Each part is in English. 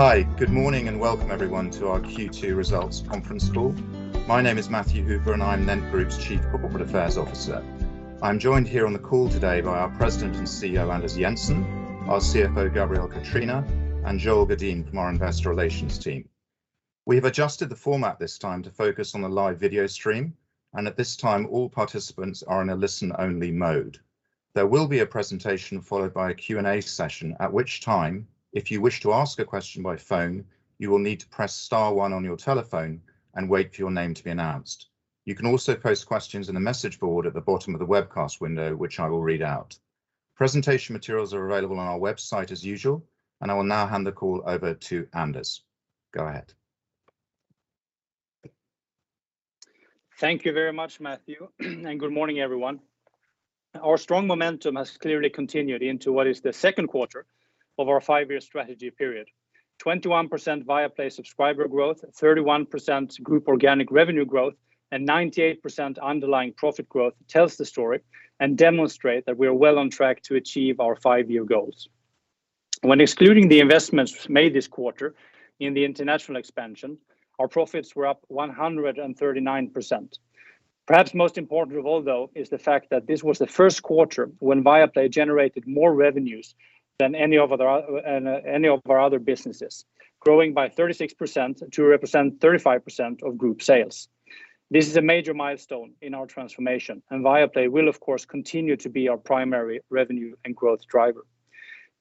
Hi, good morning, and welcome everyone to our Q2 results conference call. My name is Matthew Hooper, and I'm NENT Group's Chief Corporate Affairs Officer. I'm joined here on the call today by our President and CEO, Anders Jensen, our CFO, Gabriel Catrina, and Joel Gadim from our investor relations team. We have adjusted the format this time to focus on the live video stream, and at this time, all participants are on a listen-only mode. There will be a presentation followed by a Q&A session, at which time, if you wish to ask a question by phone, you will need to press star one on your telephone and wait for your name to be announced. You can also post questions in the message board at the bottom of the webcast window, which I will read out. Presentation materials are available on our website as usual. I will now hand the call over to Anders. Go ahead. Thank you very much, Matthew, and good morning, everyone. Our strong momentum has clearly continued into what is the second quarter of our five-year strategy period. 21% Viaplay subscriber growth, 31% group organic revenue growth, and 98% underlying profit growth tells the story and demonstrate that we are well on track to achieve our five-year goals. When excluding the investments made this quarter in the international expansion, our profits were up 139%. Perhaps most important of all, though, is the fact that this was the first quarter when Viaplay generated more revenues than any of our other businesses, growing by 36% to represent 35% of group sales. This is a major milestone in our transformation, and Viaplay will, of course, continue to be our primary revenue and growth driver.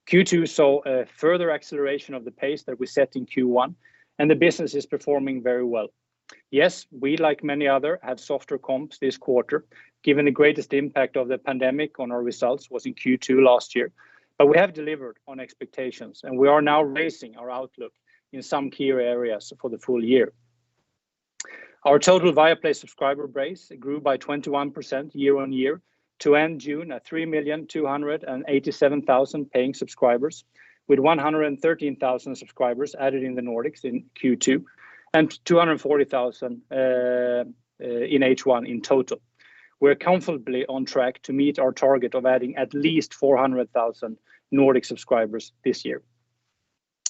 Q2 saw a further acceleration of the pace that we set in Q1, and the business is performing very well. Yes, we, like many other, have softer comps this quarter, given the greatest impact of the pandemic on our results was in Q2 last year. We have delivered on expectations, and we are now raising our outlook in some key areas for the full year. Our total Viaplay subscriber base grew by 21% year-on-year to end June at 3,287,000 paying subscribers, with 113,000 subscribers added in the Nordics in Q2 and 240,000 in H1 in total. We are comfortably on track to meet our target of adding at least 400,000 Nordic subscribers this year.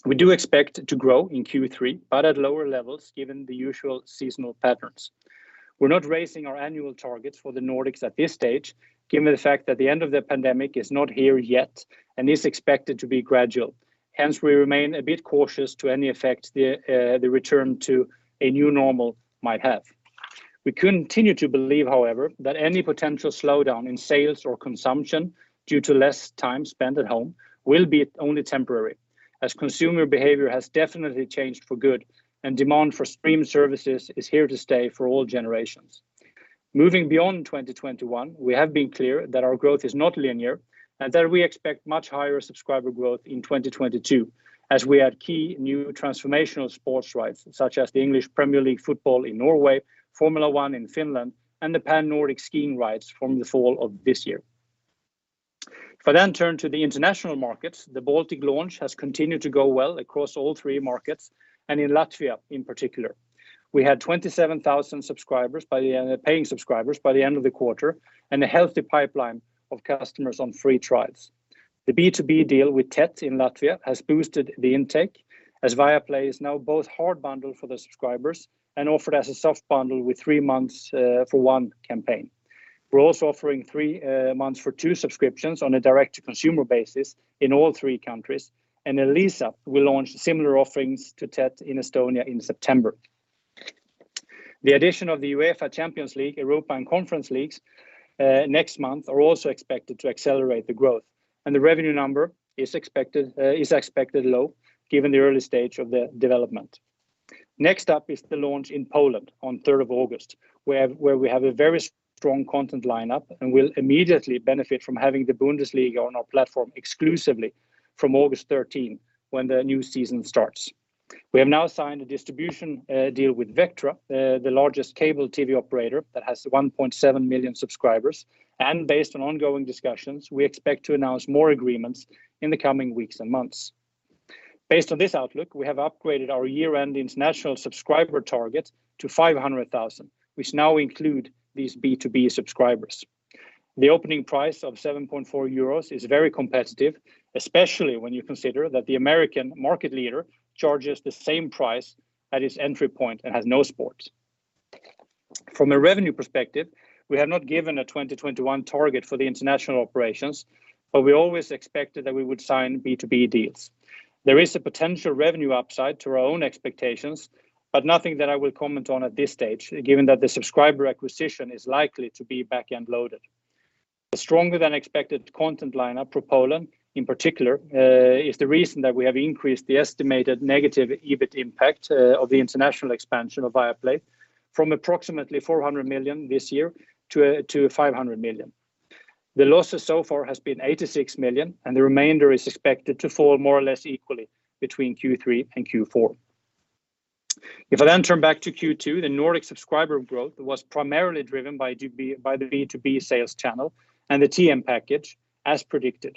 We do expect to grow in Q3, but at lower levels, given the usual seasonal patterns. We are not raising our annual targets for the Nordics at this stage, given the fact that the end of the pandemic is not here yet and is expected to be gradual. Hence, we remain a bit cautious to any effect the return to a new normal might have. We continue to believe, however, that any potential slowdown in sales or consumption due to less time spent at home will be only temporary, as consumer behavior has definitely changed for good, and demand for streaming services is here to stay for all generations. Moving beyond 2021, we have been clear that our growth is not linear and that we expect much higher subscriber growth in 2022 as we add key new transformational sports rights, such as the English Premier League football in Norway, Formula 1 in Finland, and the Pan-Nordic skiing rights from the fall of this year. If I then turn to the international markets, the Baltic launch has continued to go well across all three markets and in Latvia in particular. We had 27,000 paying subscribers by the end of the quarter and a healthy pipeline of customers on free trials. The B2B deal with TET in Latvia has boosted the intake, as Viaplay is now both hard bundled for the subscribers and offered as a soft bundle with three months for one campaign. We're also offering three months for two subscriptions on a direct-to-consumer basis in all three countries, and Elisa will launch similar offerings to TET in Estonia in September. The addition of the UEFA Champions League, Europa and Conference Leagues next month are also expected to accelerate the growth, and the revenue number is expected low given the early stage of the development. Next up is the launch in Poland on the 3rd of August, where we have a very strong content lineup and will immediately benefit from having the Bundesliga on our platform exclusively from August 13 when the new season starts. We have now signed a distribution deal with Vectra, the largest cable TV operator that has 1.7 million subscribers. Based on ongoing discussions, we expect to announce more agreements in the coming weeks and months. Based on this outlook, we have upgraded our year-end international subscriber target to 500,000, which now include these B2B subscribers. The opening price of 7.4 euros is very competitive, especially when you consider that the American market leader charges the same price at its entry point and has no sports. From a revenue perspective, we have not given a 2021 target for the international operations, we always expected that we would sign B2B deals. There is a potential revenue upside to our own expectations, nothing that I will comment on at this stage, given that the subscriber acquisition is likely to be backend loaded. A stronger than expected content lineup for Poland, in particular, is the reason that we have increased the estimated negative EBIT impact of the international expansion of Viaplay from approximately 400 million this year to 500 million. The losses so far has been 86 million, the remainder is expected to fall more or less equally between Q3 and Q4. If I then turn back to Q2, the Nordic subscriber growth was primarily driven by the B2B sales channel and the Total package, as predicted.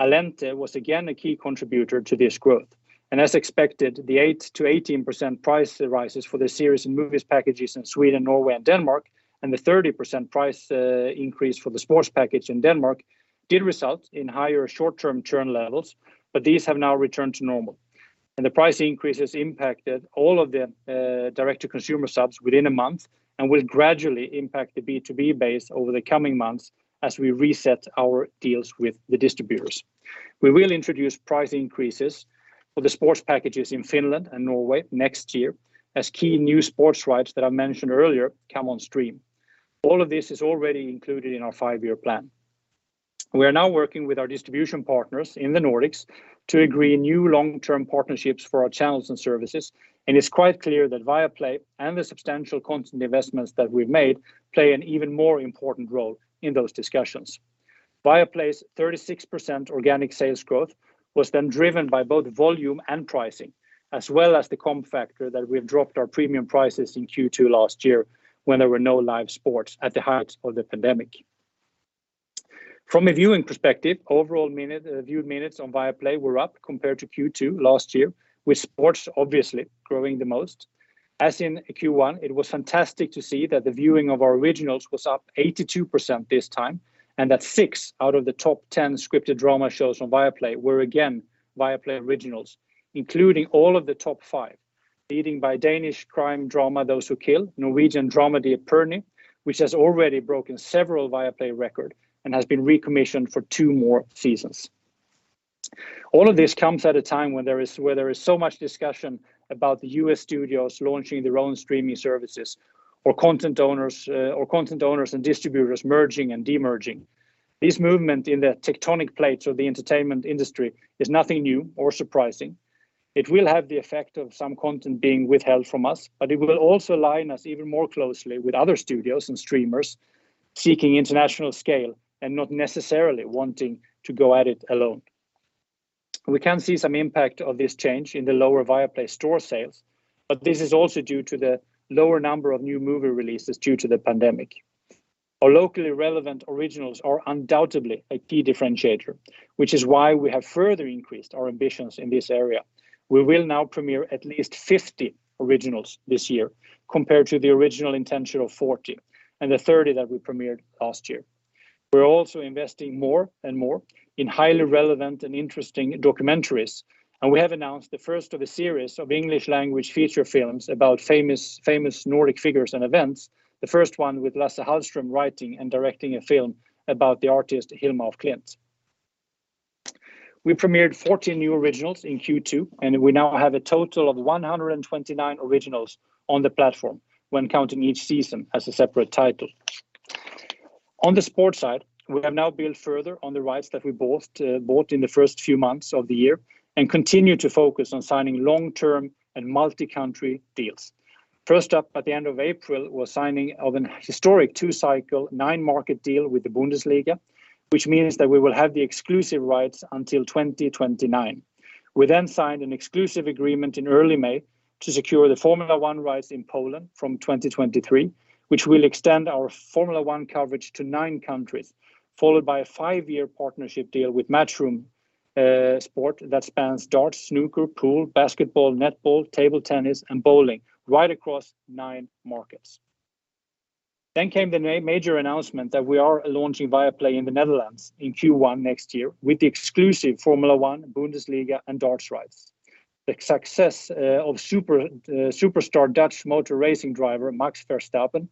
Allente was again a key contributor to this growth. As expected, the 8%-18% price rises for the series and movies packages in Sweden, Norway, and Denmark, and the 30% price increase for the sports package in Denmark did result in higher short-term churn levels, but these have now returned to normal. The price increases impacted all of the direct-to-consumer subs within one month and will gradually impact the B2B base over the coming months as we reset our deals with the distributors. We will introduce price increases for the sports packages in Finland and Norway next year as key new sports rights that I mentioned earlier come on stream. All of this is already included in our five-year plan. We are now working with our distribution partners in the Nordics to agree new long-term partnerships for our channels and services. It's quite clear that Viaplay and the substantial content investments that we've made play an even more important role in those discussions. Viaplay's 36% organic sales growth was driven by both volume and pricing, as well as the comp factor that we've dropped our premium prices in Q2 last year when there were no live sports at the height of the pandemic. From a viewing perspective, overall viewed minutes on Viaplay were up compared to Q2 last year, with sports obviously growing the most. As in Q1, it was fantastic to see that the viewing of our originals was up 82% this time, and that six out of the top 10 scripted drama shows on Viaplay were again Viaplay originals, including all of the top five, leading by Danish crime drama "Those Who Kill," Norwegian drama "The Erning," which has already broken several Viaplay record and has been recommissioned for two more seasons. All of this comes at a time where there is so much discussion about the U.S. studios launching their own streaming services or content owners and distributors merging and de-merging. This movement in the tectonic plates of the entertainment industry is nothing new or surprising. It will have the effect of some content being withheld from us, but it will also align us even more closely with other studios and streamers seeking international scale and not necessarily wanting to go at it alone. We can see some impact of this change in the lower Viaplay Store sales, but this is also due to the lower number of new movie releases due to the pandemic. Our locally relevant originals are undoubtedly a key differentiator, which is why we have further increased our ambitions in this area. We will now premiere at least 50 originals this year compared to the original intention of 40 and the 30 that we premiered last year. We're also investing more and more in highly relevant and interesting documentaries, and we have announced the first of a series of English language feature films about famous Nordic figures and events, the first one with Lasse Hallström writing and directing a film about the artist Hilma af Klint. We premiered 14 new originals in Q2, and we now have a total of 129 originals on the platform when counting each season as a separate title. On the sports side, we have now built further on the rights that we bought in the first few months of the year and continue to focus on signing long-term and multi-country deals. First up at the end of April was signing of an historic two-cycle, nine-market deal with the Bundesliga, which means that we will have the exclusive rights until 2029. We signed an exclusive agreement in early May to secure the Formula 1 rights in Poland from 2023, which will extend our Formula 1 coverage to nine countries, followed by a five-year partnership deal with Matchroom Sport that spans darts, snooker, pool, basketball, netball, table tennis, and bowling right across 9 markets. Came the major announcement that we are launching Viaplay in the Netherlands in Q1 next year with the exclusive Formula 1, Bundesliga, and darts rights. The success of superstar Dutch motor racing driver Max Verstappen,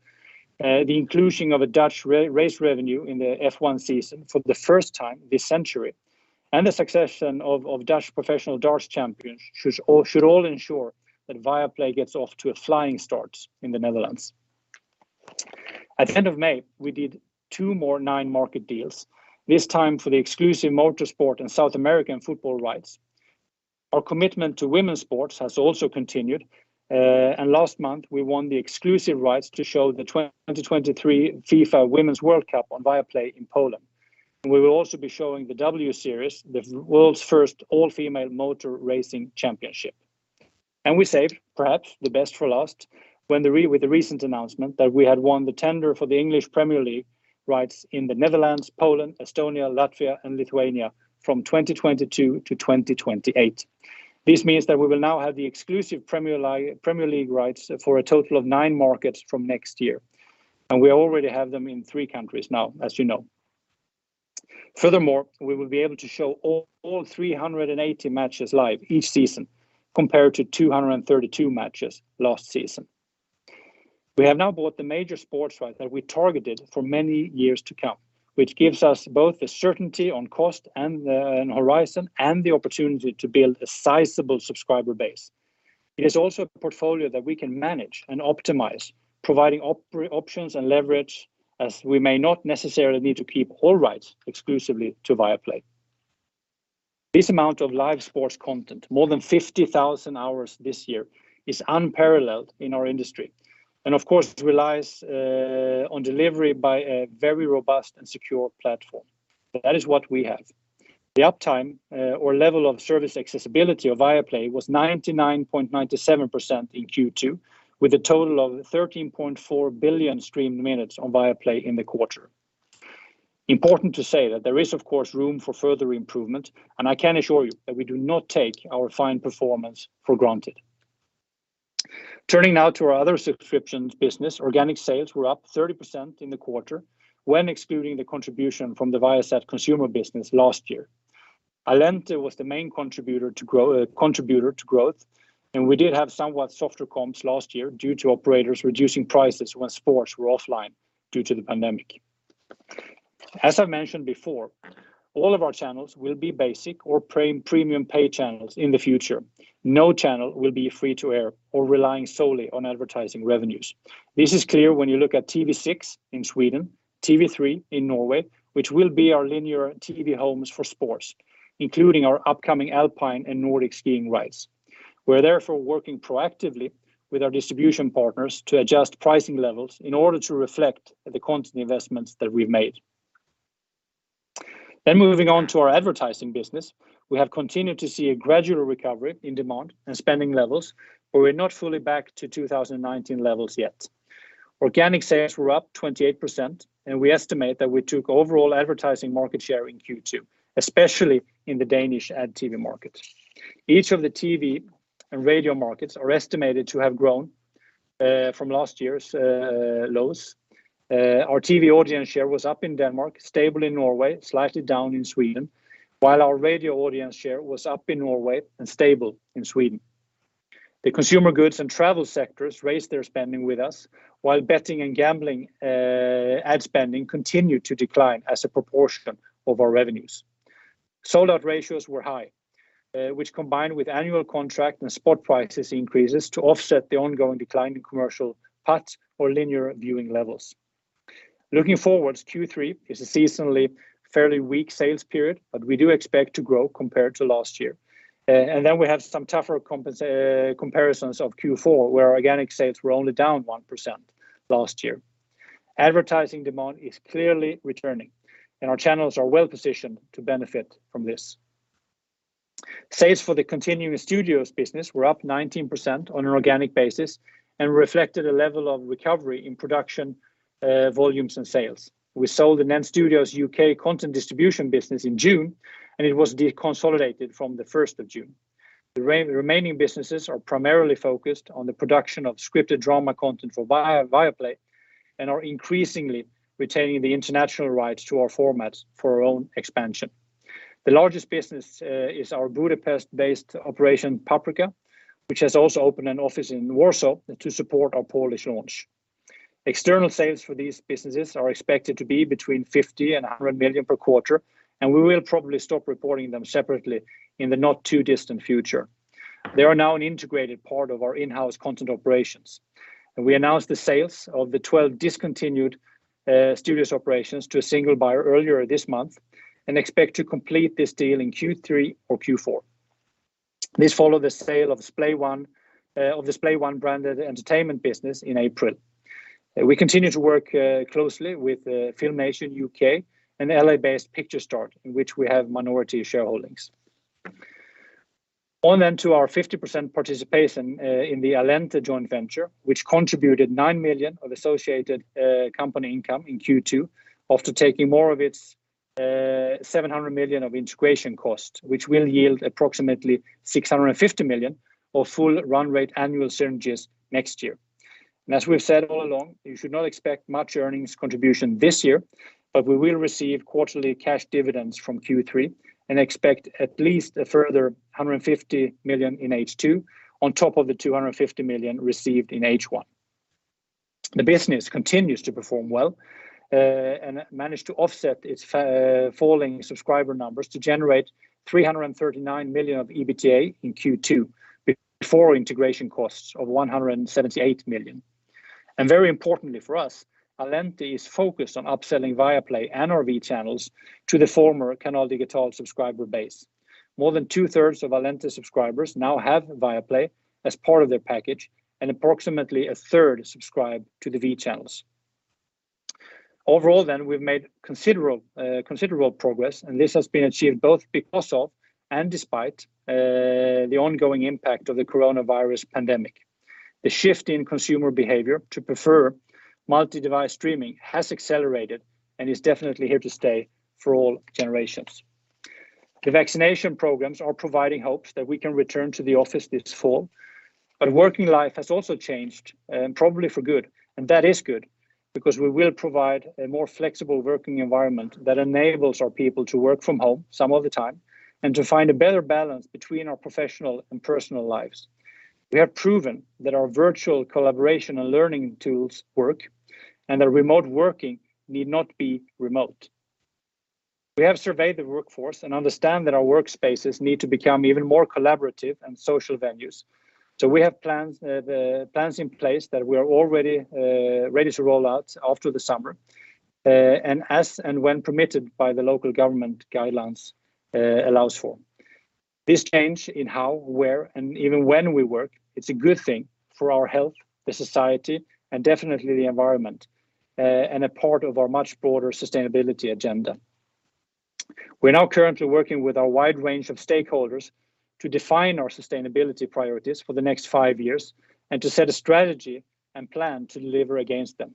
the inclusion of a Dutch race revenue in the F1 season for the first time this century, and the succession of Dutch professional darts champions should all ensure that Viaplay gets off to a flying start in the Netherlands. At the end of May, we did two more nine-market deals, this time for the exclusive motorsport and South American football rights. Our commitment to women's sports has also continued. Last month we won the exclusive rights to show the 2023 FIFA Women's World Cup on Viaplay in Poland. We will also be showing the W Series, the world's first all-female motor racing championship. We saved perhaps the best for last with the recent announcement that we had won the tender for the English Premier League rights in the Netherlands, Poland, Estonia, Latvia, and Lithuania from 2022 to 2028. This means that we will now have the exclusive Premier League rights for a total of nine markets from next year, and we already have them in three countries now, as you know. Furthermore, we will be able to show all 380 matches live each season compared to 232 matches last season. We have now bought the major sports right that we targeted for many years to come, which gives us both the certainty on cost and the horizon and the opportunity to build a sizable subscriber base. It is also a portfolio that we can manage and optimize, providing options and leverage as we may not necessarily need to keep all rights exclusively to Viaplay. This amount of live sports content, more than 50,000 hours this year, is unparalleled in our industry. Of course, it relies on delivery by a very robust and secure platform. That is what we have. The uptime or level of service accessibility of Viaplay was 99.97% in Q2, with a total of 13.4 billion streamed minutes on Viaplay in the quarter. Important to say that there is, of course, room for further improvement, and I can assure you that we do not take our fine performance for granted. Turning now to our other subscriptions business, organic sales were up 30% in the quarter when excluding the contribution from the Viasat Consumer business last year. Allente was the main contributor to growth, and we did have somewhat softer comps last year due to operators reducing prices when sports were offline due to the pandemic. As I mentioned before, all of our channels will be basic or premium pay channels in the future. No channel will be free to air or relying solely on advertising revenues. This is clear when you look at TV6 in Sweden, TV3 in Norway, which will be our linear TV homes for sports, including our upcoming alpine and Nordic skiing rights. We're therefore working proactively with our distribution partners to adjust pricing levels in order to reflect the content investments that we've made. Moving on to our advertising business. We have continued to see a gradual recovery in demand and spending levels, but we're not fully back to 2019 levels yet. Organic sales were up 28%, and we estimate that we took overall advertising market share in Q2, especially in the Danish ad TV market. Each of the TV and radio markets are estimated to have grown from last year's lows. Our TV audience share was up in Denmark, stable in Norway, slightly down in Sweden, while our radio audience share was up in Norway and stable in Sweden. The consumer goods and travel sectors raised their spending with us while betting and gambling ad spending continued to decline as a proportion of our revenues. Sold-out ratios were high, which combined with annual contract and spot prices increases to offset the ongoing decline in commercial PAT or linear viewing levels. Looking forward to Q3 is a seasonally fairly weak sales period, but we do expect to grow compared to last year. We have some tougher comparisons of Q4, where organic sales were only down 1% last year. Advertising demand is clearly returning, and our channels are well-positioned to benefit from this. Sales for the continuing studios business were up 19% on an organic basis and reflected a level of recovery in production volumes and sales. We sold the NENT Studios U.K. content distribution business in June, and it was deconsolidated from the 1st of June. The remaining businesses are primarily focused on the production of scripted drama content for Viaplay and are increasingly retaining the international rights to our formats for our own expansion. The largest business is our Budapest-based operation, Paprika Studios, which has also opened an office in Warsaw to support our Polish launch. External sales for these businesses are expected to be between 50 million and 100 million per quarter, and we will probably stop reporting them separately in the not too distant future. They are now an integrated part of our in-house content operations. We announced the sales of the 12 discontinued studios operations to a single buyer earlier this month and expect to complete this deal in Q3 or Q4. This followed the sale of the Splay One-branded entertainment business in April. We continue to work closely with FilmNation Entertainment and L.A.-based Picturestart, in which we have minority shareholdings. Our 50% participation in the Allente joint venture, which contributed 9 million of associated company income in Q2, after taking more of its 700 million of integration costs, which will yield approximately 650 million of full run rate annual synergies next year. As we've said all along, you should not expect much earnings contribution this year, but we will receive quarterly cash dividends from Q3 and expect at least a further 150 million in H2 on top of the 250 million received in H1. The business continues to perform well and managed to offset its falling subscriber numbers to generate 339 million of EBITDA in Q2 before integration costs of 178 million. Very importantly for us, Allente is focused on upselling Viaplay and our V channels to the former Canal Digital subscriber base. More than two-thirds of Allente subscribers now have Viaplay as part of their package, and approximately a third subscribe to the V channels. Overall, we've made considerable progress, and this has been achieved both because of and despite the ongoing impact of the coronavirus pandemic. The shift in consumer behavior to prefer multi-device streaming has accelerated and is definitely here to stay for all generations. The vaccination programs are providing hopes that we can return to the office this fall, but working life has also changed, probably for good, and that is good because we will provide a more flexible working environment that enables our people to work from home some of the time and to find a better balance between our professional and personal lives. We have proven that our virtual collaboration and learning tools work and that remote working need not be remote. We have surveyed the workforce and understand that our workspaces need to become even more collaborative and social venues. We have plans in place that we are all ready to roll out after the summer, and as and when permitted by the local government guidelines allows for. This change in how, where, and even when we work, it's a good thing for our health, the society, and definitely the environment, and a part of our much broader sustainability agenda. We're now currently working with a wide range of stakeholders to define our sustainability priorities for the next five years and to set a strategy and plan to deliver against them.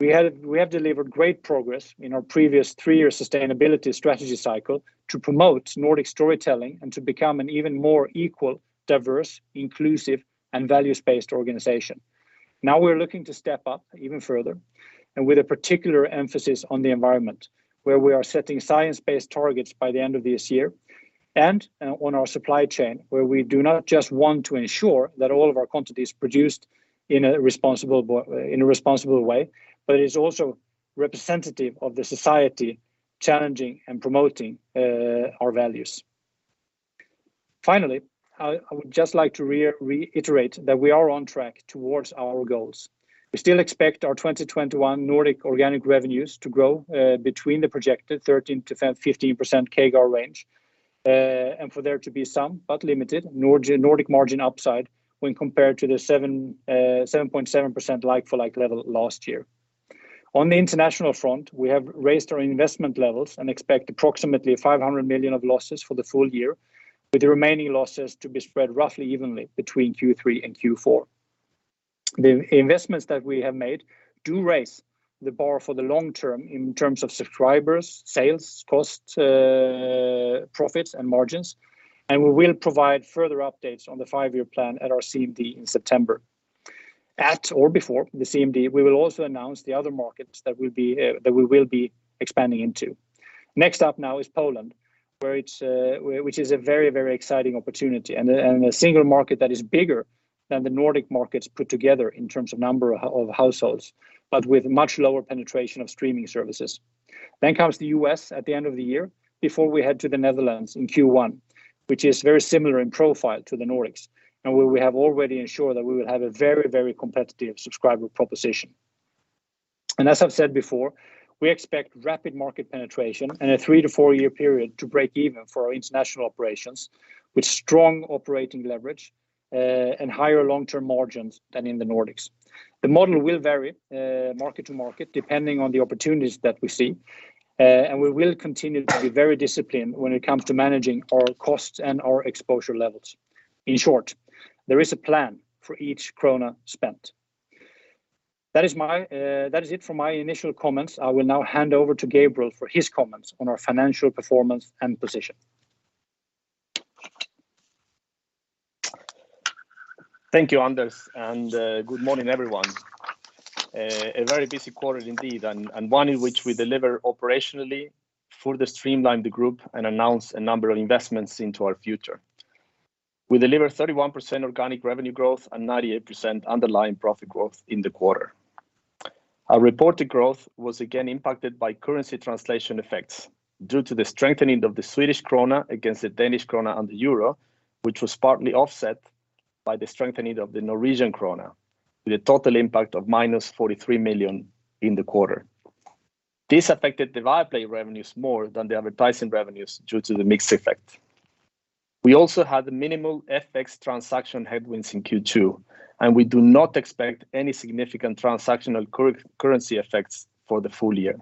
We have delivered great progress in our previous three-year sustainability strategy cycle to promote Nordic storytelling and to become an even more equal, diverse, inclusive, and values-based organization. Now we're looking to step up even further and with a particular emphasis on the environment, where we are setting science-based targets by the end of this year, and on our supply chain, where we do not just want to ensure that all of our content is produced in a responsible way, but is also representative of the society challenging and promoting our values. Finally, I would just like to reiterate that we are on track towards our goals. We still expect our 2021 Nordic organic revenues to grow between the projected 13%-15% CAGR range, and for there to be some, but limited, Nordic margin upside when compared to the 7.7% like-for-like level last year. On the international front, we have raised our investment levels and expect approximately 500 million of losses for the full year, with the remaining losses to be spread roughly evenly between Q3 and Q4. The investments that we have made do raise the bar for the long term in terms of subscribers, sales, cost, profits, and margins. We will provide further updates on the five-year plan at our CMD in September. At or before the CMD, we will also announce the other markets that we will be expanding into. Next up now is Poland, which is a very exciting opportunity, and a single market that is bigger than the Nordic markets put together in terms of number of households, but with much lower penetration of streaming services. Comes the U.S. at the end of the year, before we head to the Netherlands in Q1, which is very similar in profile to the Nordics and where we have already ensured that we will have a very competitive subscriber proposition. As I've said before, we expect rapid market penetration and a three-to-four-year period to break even for our international operations, with strong operating leverage and higher long-term margins than in the Nordics. The model will vary market to market, depending on the opportunities that we see, and we will continue to be very disciplined when it comes to managing our costs and our exposure levels. In short, there is a plan for each SEK 1 spent. That is it for my initial comments. I will now hand over to Gabriel for his comments on our financial performance and position. Thank you, Anders, and good morning, everyone. A very busy quarter indeed, and one in which we deliver operationally, further streamline the group, and announce a number of investments into our future. We delivered 31% organic revenue growth and 98% underlying profit growth in the quarter. Our reported growth was again impacted by currency translation effects due to the strengthening of the Swedish krona against the Danish krone and the euro, which was partly offset by the strengthening of the Norwegian krone, with a total impact of minus 43 million in the quarter. This affected the Viaplay revenues more than the advertising revenues due to the mix effect. We also had minimal FX transaction headwinds in Q2, and we do not expect any significant transactional currency effects for the full year.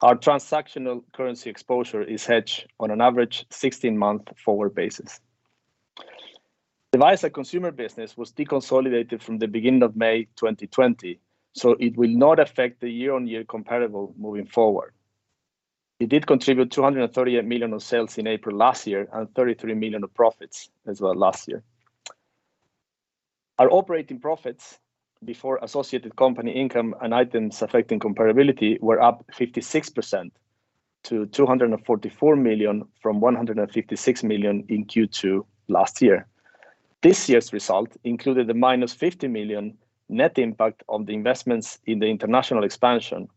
Our transactional currency exposure is hedged on an average 16-month-forward basis. Device and Consumer business was deconsolidated from the beginning of May 2020. It will not affect the year-on-year comparable moving forward. It did contribute 238 million of sales in April last year and 33 million of profits as well last year. Our operating profits before associated company income and Items Affecting Comparability were up 56% to 244 million from 156 million in Q2 last year. This year's result included the -50 million net impact on the investments in the international expansion,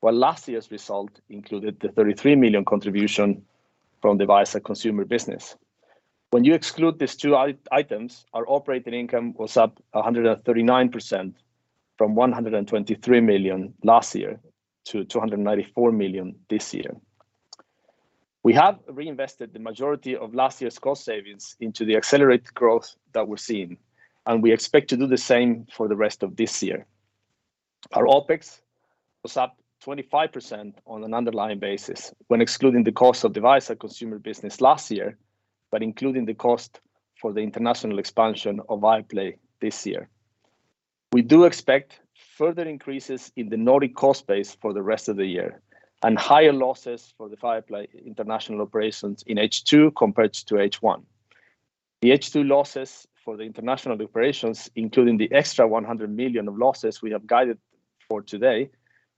while last year's result included the 33 million contribution from Device and Consumer business. When you exclude these two items, our operating income was up 139% from 123 million last year to 294 million this year. We have reinvested the majority of last year's cost savings into the accelerated growth that we're seeing, and we expect to do the same for the rest of this year. Our OpEx was up 25% on an underlying basis when excluding the cost of Device and Consumer business last year, but including the cost for the international expansion of Viaplay this year. We do expect further increases in the Nordic cost base for the rest of the year and higher losses for the Viaplay international operations in H2 compared to H1. The H2 losses for the international operations, including the extra 100 million of losses we have guided for today,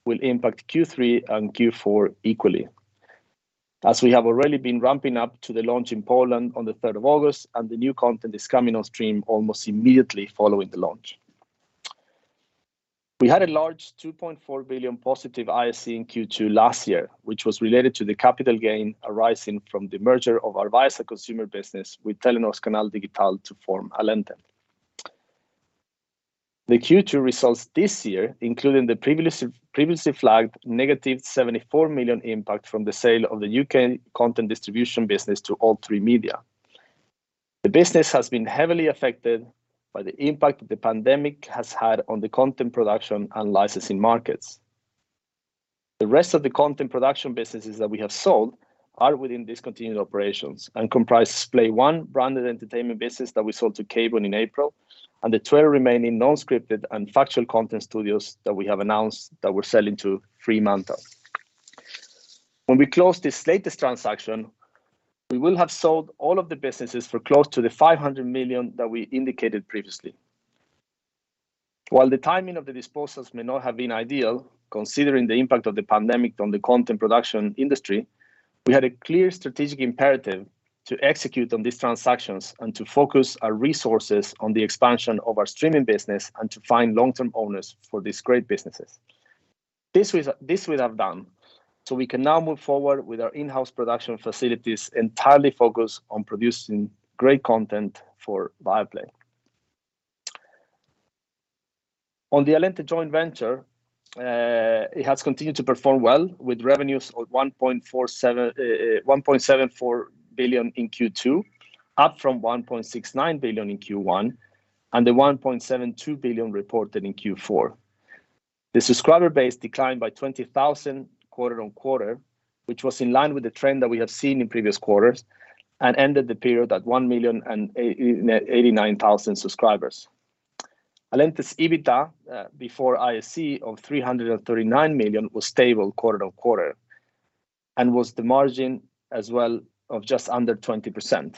will impact Q3 and Q4 equally, as we have already been ramping up to the launch in Poland on the 3rd of August and the new content is coming on stream almost immediately following the launch. We had a large 2.4 billion positive IAC in Q2 last year, which was related to the capital gain arising from the merger of our Viasat Consumer business with Telenor's Canal Digital to form Allente. The Q2 results this year, including the previously flagged negative 74 million impact from the sale of the U.K. content distribution business to All3Media. The business has been heavily affected by the impact that the pandemic has had on the content production and licensing markets. The rest of the content production businesses that we have sold are within discontinued operations and comprise Splay One branded entertainment business that we sold to Caybon in April, and the 12 remaining non-scripted and factual content studios that we have announced that we're selling to Fremantle. When we close this latest transaction, we will have sold all of the businesses for close to the 500 million that we indicated previously. While the timing of the disposals may not have been ideal, considering the impact of the pandemic on the content production industry, we had a clear strategic imperative to execute on these transactions and to focus our resources on the expansion of our streaming business and to find long-term owners for these great businesses. This we have done, so we can now move forward with our in-house production facilities entirely focused on producing great content for Viaplay. On the Allente joint venture, it has continued to perform well with revenues of 1.74 billion in Q2, up from 1.69 billion in Q1, and the 1.72 billion reported in Q4. The subscriber base declined by 20,000 quarter on quarter, which was in line with the trend that we have seen in previous quarters and ended the period at 1,089,000 subscribers. Allente's EBITDA, before IAC of 339 million, was stable quarter on quarter and was the margin as well of just under 20%.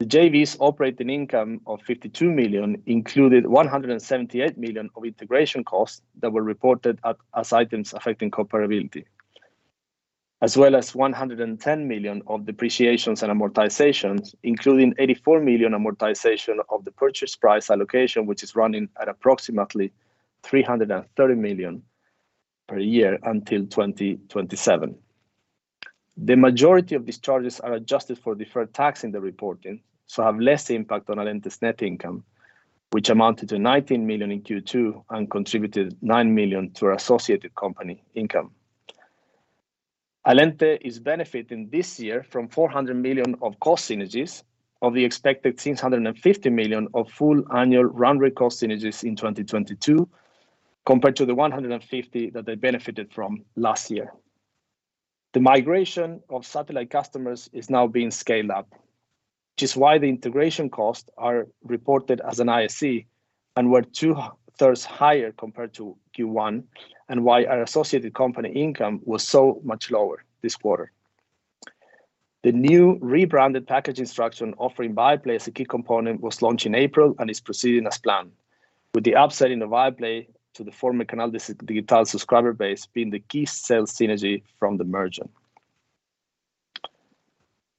The JV's operating income of 52 million included 178 million of integration costs that were reported as Items Affecting Comparability, as well as 110 million of depreciations and amortizations, including 84 million amortization of the purchase price allocation, which is running at approximately 330 million per year until 2027. The majority of these charges are adjusted for deferred tax in the reporting, so have less impact on Allente's net income, which amounted to 19 million in Q2 and contributed 9 million to our associated company income. Allente is benefiting this year from 400 million of cost synergies of the expected 650 million of full annual run rate cost synergies in 2022 compared to the 150 million that they benefited from last year. The migration of satellite customers is now being scaled up, which is why the integration costs are reported as an IAC and were two-thirds higher compared to Q1 and why our associated company income was so much lower this quarter. The new rebranded package instruction offering Viaplay as a key component was launched in April and is proceeding as planned. With the upsell in the Viaplay to the former Canal Digital subscriber base being the key sales synergy from the merger.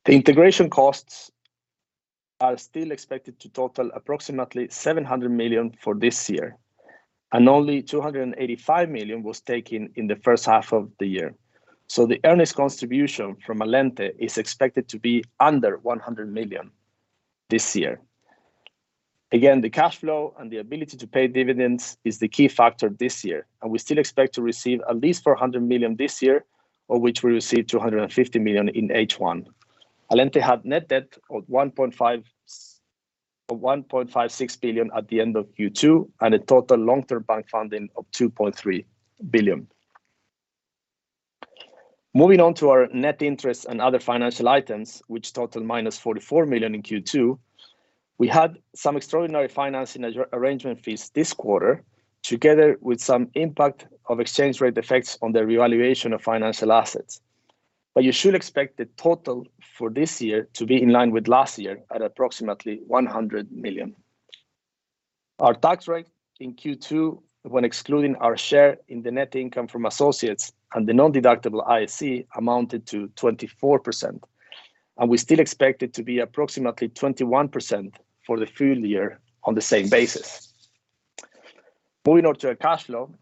The integration costs are still expected to total approximately 700 million for this year, and only 285 million was taken in the first half of the year. The earnings contribution from Allente is expected to be under 100 million this year. Again, the cash flow and the ability to pay dividends is the key factor this year, and we still expect to receive at least 400 million this year, of which we received 250 million in H1. Allente had net debt of 1.56 billion at the end of Q2 and a total long-term bank funding of 2.3 billion. Moving on to our net interest and other financial items, which total minus 44 million in Q2, we had some extraordinary financing arrangement fees this quarter, together with some impact of exchange rate effects on the revaluation of financial assets. You should expect the total for this year to be in line with last year at approximately 100 million. Our tax rate in Q2, when excluding our share in the net income from associates and the non-deductible IAC, amounted to 24%. We still expect it to be approximately 21% for the full year on the same basis. Moving on to our cash flow.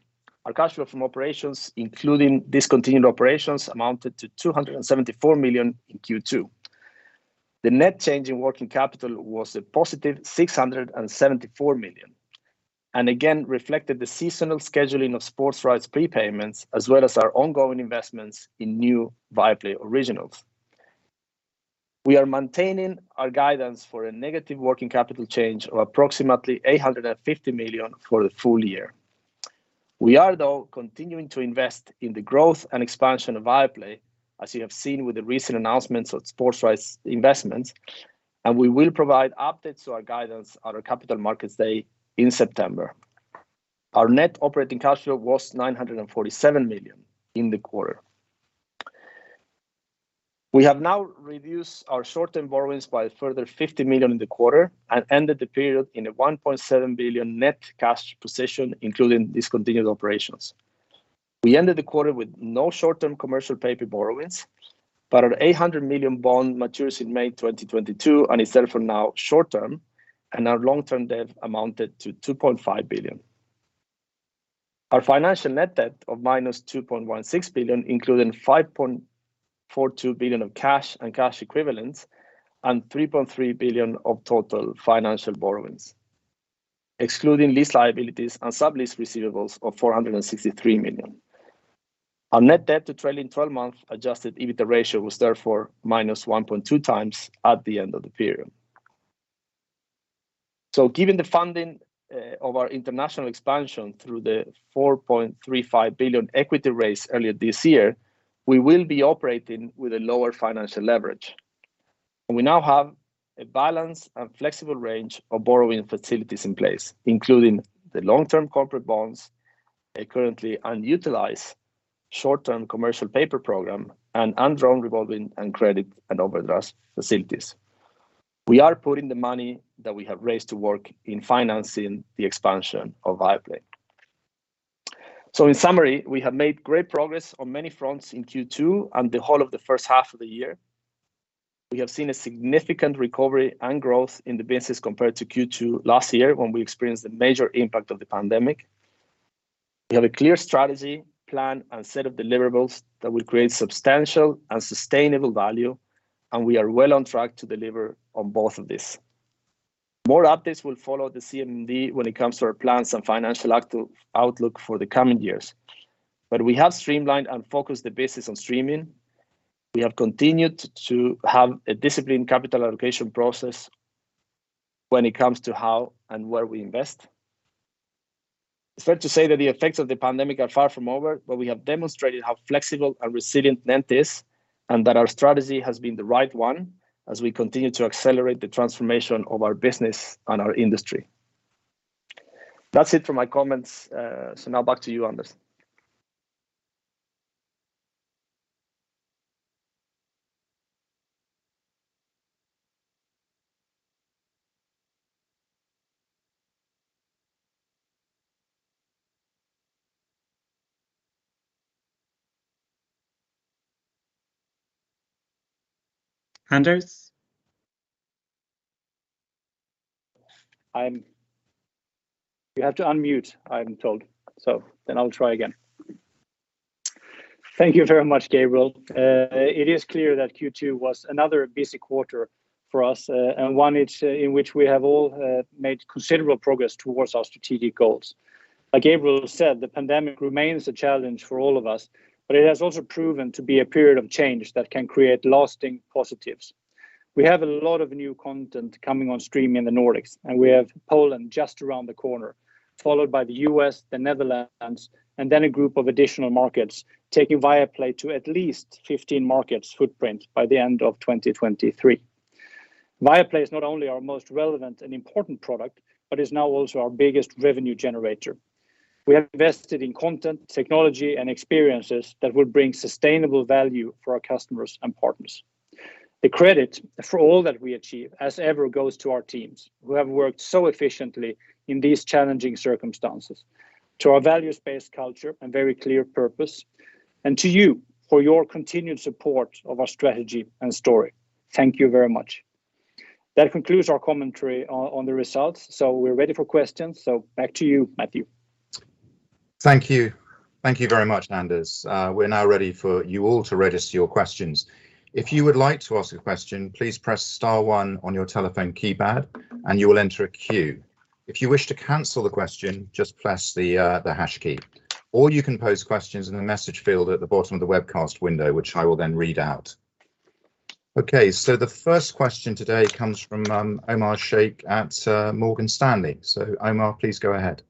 Our cash flow from operations, including discontinued operations, amounted to 274 million in Q2. The net change in working capital was a positive 674 million and again reflected the seasonal scheduling of sports rights prepayments as well as our ongoing investments in new Viaplay originals. We are maintaining our guidance for a negative working capital change of approximately 850 million for the full year. We are, though, continuing to invest in the growth and expansion of Viaplay, as you have seen with the recent announcements of sports rights investments, and we will provide updates to our guidance at our Capital Markets Day in September. Our net operating cash flow was 947 million in the quarter. We have now reduced our short-term borrowings by a further 50 million in the quarter and ended the period in a 1.7 billion net cash position, including discontinued operations. We ended the quarter with no short-term commercial paper borrowings. Our 800 million bond matures in May 2022 and is therefore now short-term, and our long-term debt amounted to 2.5 billion. Our financial net debt of minus 2.16 billion, including 5.42 billion of cash and cash equivalents and 3.3 billion of total financial borrowings, excluding lease liabilities and sublease receivables of 463 million. Our net debt to trailing 12-month adjusted EBITDA ratio was therefore -1.2 times at the end of the period. Given the funding of our international expansion through the 4.35 billion equity raise earlier this year, we will be operating with a lower financial leverage. We now have a balanced and flexible range of borrowing facilities in place, including the long-term corporate bonds, a currently unutilized short-term commercial paper program, and undrawn revolving and credit and overdraft facilities. We are putting the money that we have raised to work in financing the expansion of Viaplay. In summary, we have made great progress on many fronts in Q2 and the whole of the first half of the year. We have seen a significant recovery and growth in the business compared to Q2 last year when we experienced the major impact of the pandemic. We have a clear strategy, plan, and set of deliverables that will create substantial and sustainable value, and we are well on track to deliver on both of these. More updates will follow the CMD when it comes to our plans and financial outlook for the coming years. We have streamlined and focused the business on streaming. We have continued to have a disciplined capital allocation process when it comes to how and where we invest. It's fair to say that the effects of the pandemic are far from over, but we have demonstrated how flexible and resilient NENT is, and that our strategy has been the right one as we continue to accelerate the transformation of our business and our industry. That's it for my comments. Now back to you, Anders. Anders? You have to unmute, I'm told. Then I'll try again. Thank you very much, Gabriel. It is clear that Q2 was another busy quarter for us, and one in which we have all made considerable progress towards our strategic goals. Like Gabriel said, the pandemic remains a challenge for all of us. It has also proven to be a period of change that can create lasting positives. We have a lot of new content coming on stream in the Nordics, and we have Poland just around the corner, followed by the U.S., the Netherlands, and then a group of additional markets, taking Viaplay to at least 15 markets footprint by the end of 2023. Viaplay is not only our most relevant and important product, but is now also our biggest revenue generator. We have invested in content, technology, and experiences that will bring sustainable value for our customers and partners. The credit for all that we achieve, as ever, goes to our teams, who have worked so efficiently in these challenging circumstances, to our values-based culture and very clear purpose, and to you for your continued support of our strategy and story. Thank you very much. That concludes our commentary on the results. We're ready for questions, so back to you, Matthew. Thank you. Thank you very much, Anders. We're now ready for you all to register your questions. If you would like to ask a question, please press star one on your telephone keypad and you will enter a queue. If you wish to cancel the question, just press the hash key. You can pose questions in the message field at the bottom of the webcast window, which I will then read out. Okay, the first question today comes from Omar Sheikh at Morgan Stanley. Omar, please go ahead.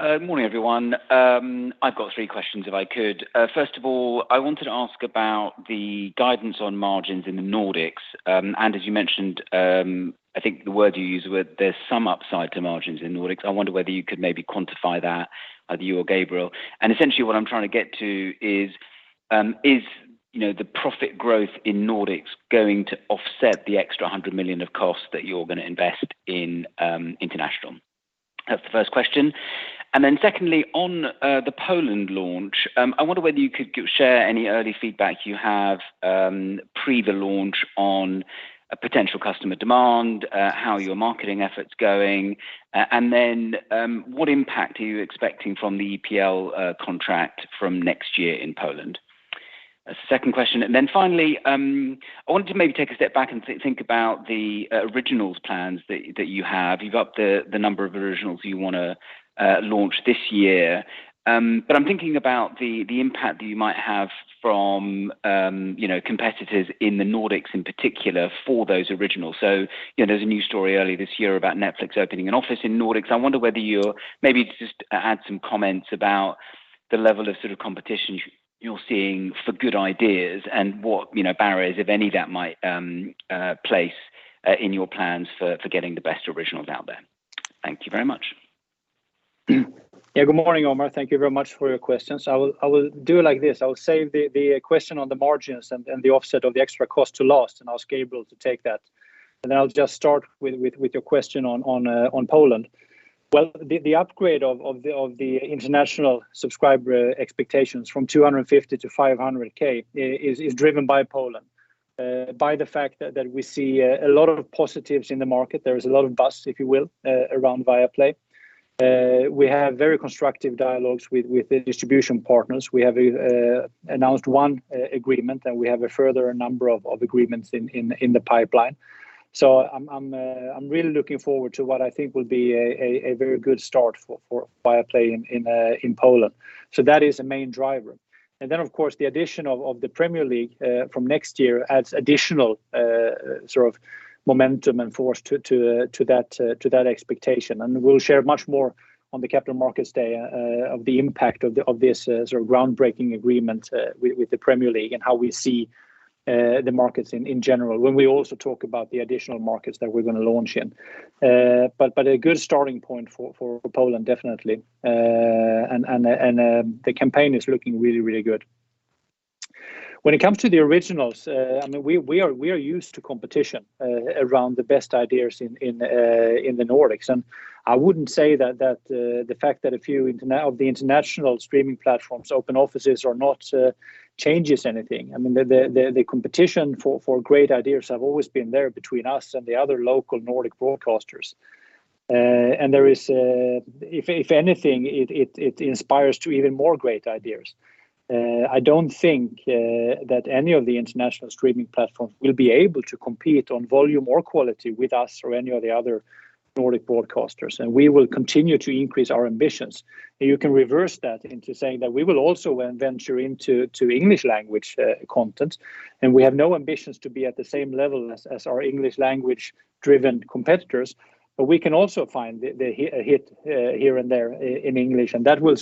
Morning, everyone. I've got questions, if I could. I wanted to ask about the guidance on margins in the Nordics. Anders, you mentioned, I think the word you used were there's some upside to margins in the Nordics. I wonder whether you could maybe quantify that, either you or Gabriel. Essentially what I'm trying to get to is the profit growth in the Nordics going to offset the extra 100 million of costs that you're going to invest in international? That's the first question. Secondly, on the Poland launch, I wonder whether you could share any early feedback you have pre the launch on potential customer demand, how your marketing effort's going, and then what impact are you expecting from the EPL contract from next year in Poland? A second question. Finally, I wanted to maybe take a step back and think about the originals plans that you have. You've upped the number of originals you want to launch this year. I'm thinking about the impact that you might have from competitors in the Nordics in particular for those originals. There's a news story earlier this year about Netflix opening an office in the Nordics. I wonder whether you maybe just add some comments about the level of competition you're seeing for good ideas and what barriers, if any, that might place in your plans for getting the best originals out there. Thank you very much. Yeah, good morning, Omar. Thank you very much for your questions. I will do it like this. I will save the question on the margins and the offset of the extra cost to last and ask Gabriel to take that. I'll just start with your question on Poland. Well, the upgrade of the international subscriber expectations from 250 to 500K is driven by Poland, by the fact that we see a lot of positives in the market. There is a lot of buzz, if you will, around Viaplay. We have very constructive dialogues with the distribution partners. We have announced one agreement, and we have a further number of agreements in the pipeline. I'm really looking forward to what I think will be a very good start for Viaplay in Poland. That is a main driver. Of course, the addition of the Premier League from next year adds additional momentum and force to that expectation. We'll share much more on the Capital Markets Day of the impact of this groundbreaking agreement with the Premier League and how we see the markets in general, when we also talk about the additional markets that we're going to launch in. A good starting point for Poland, definitely. The campaign is looking really good. When it comes to the originals, we are used to competition around the best ideas in the Nordics. I wouldn't say that the fact that a few of the international streaming platforms open offices or not changes anything. The competition for great ideas have always been there between us and the other local Nordic broadcasters. If anything, it inspires to even more great ideas. I don't think that any of the international streaming platforms will be able to compete on volume or quality with us or any of the other Nordic broadcasters. We will continue to increase our ambitions, and you can reverse that into saying that we will also venture into English language content, and we have no ambitions to be at the same level as our English language driven competitors. We can also find a hit here and there in English, and that will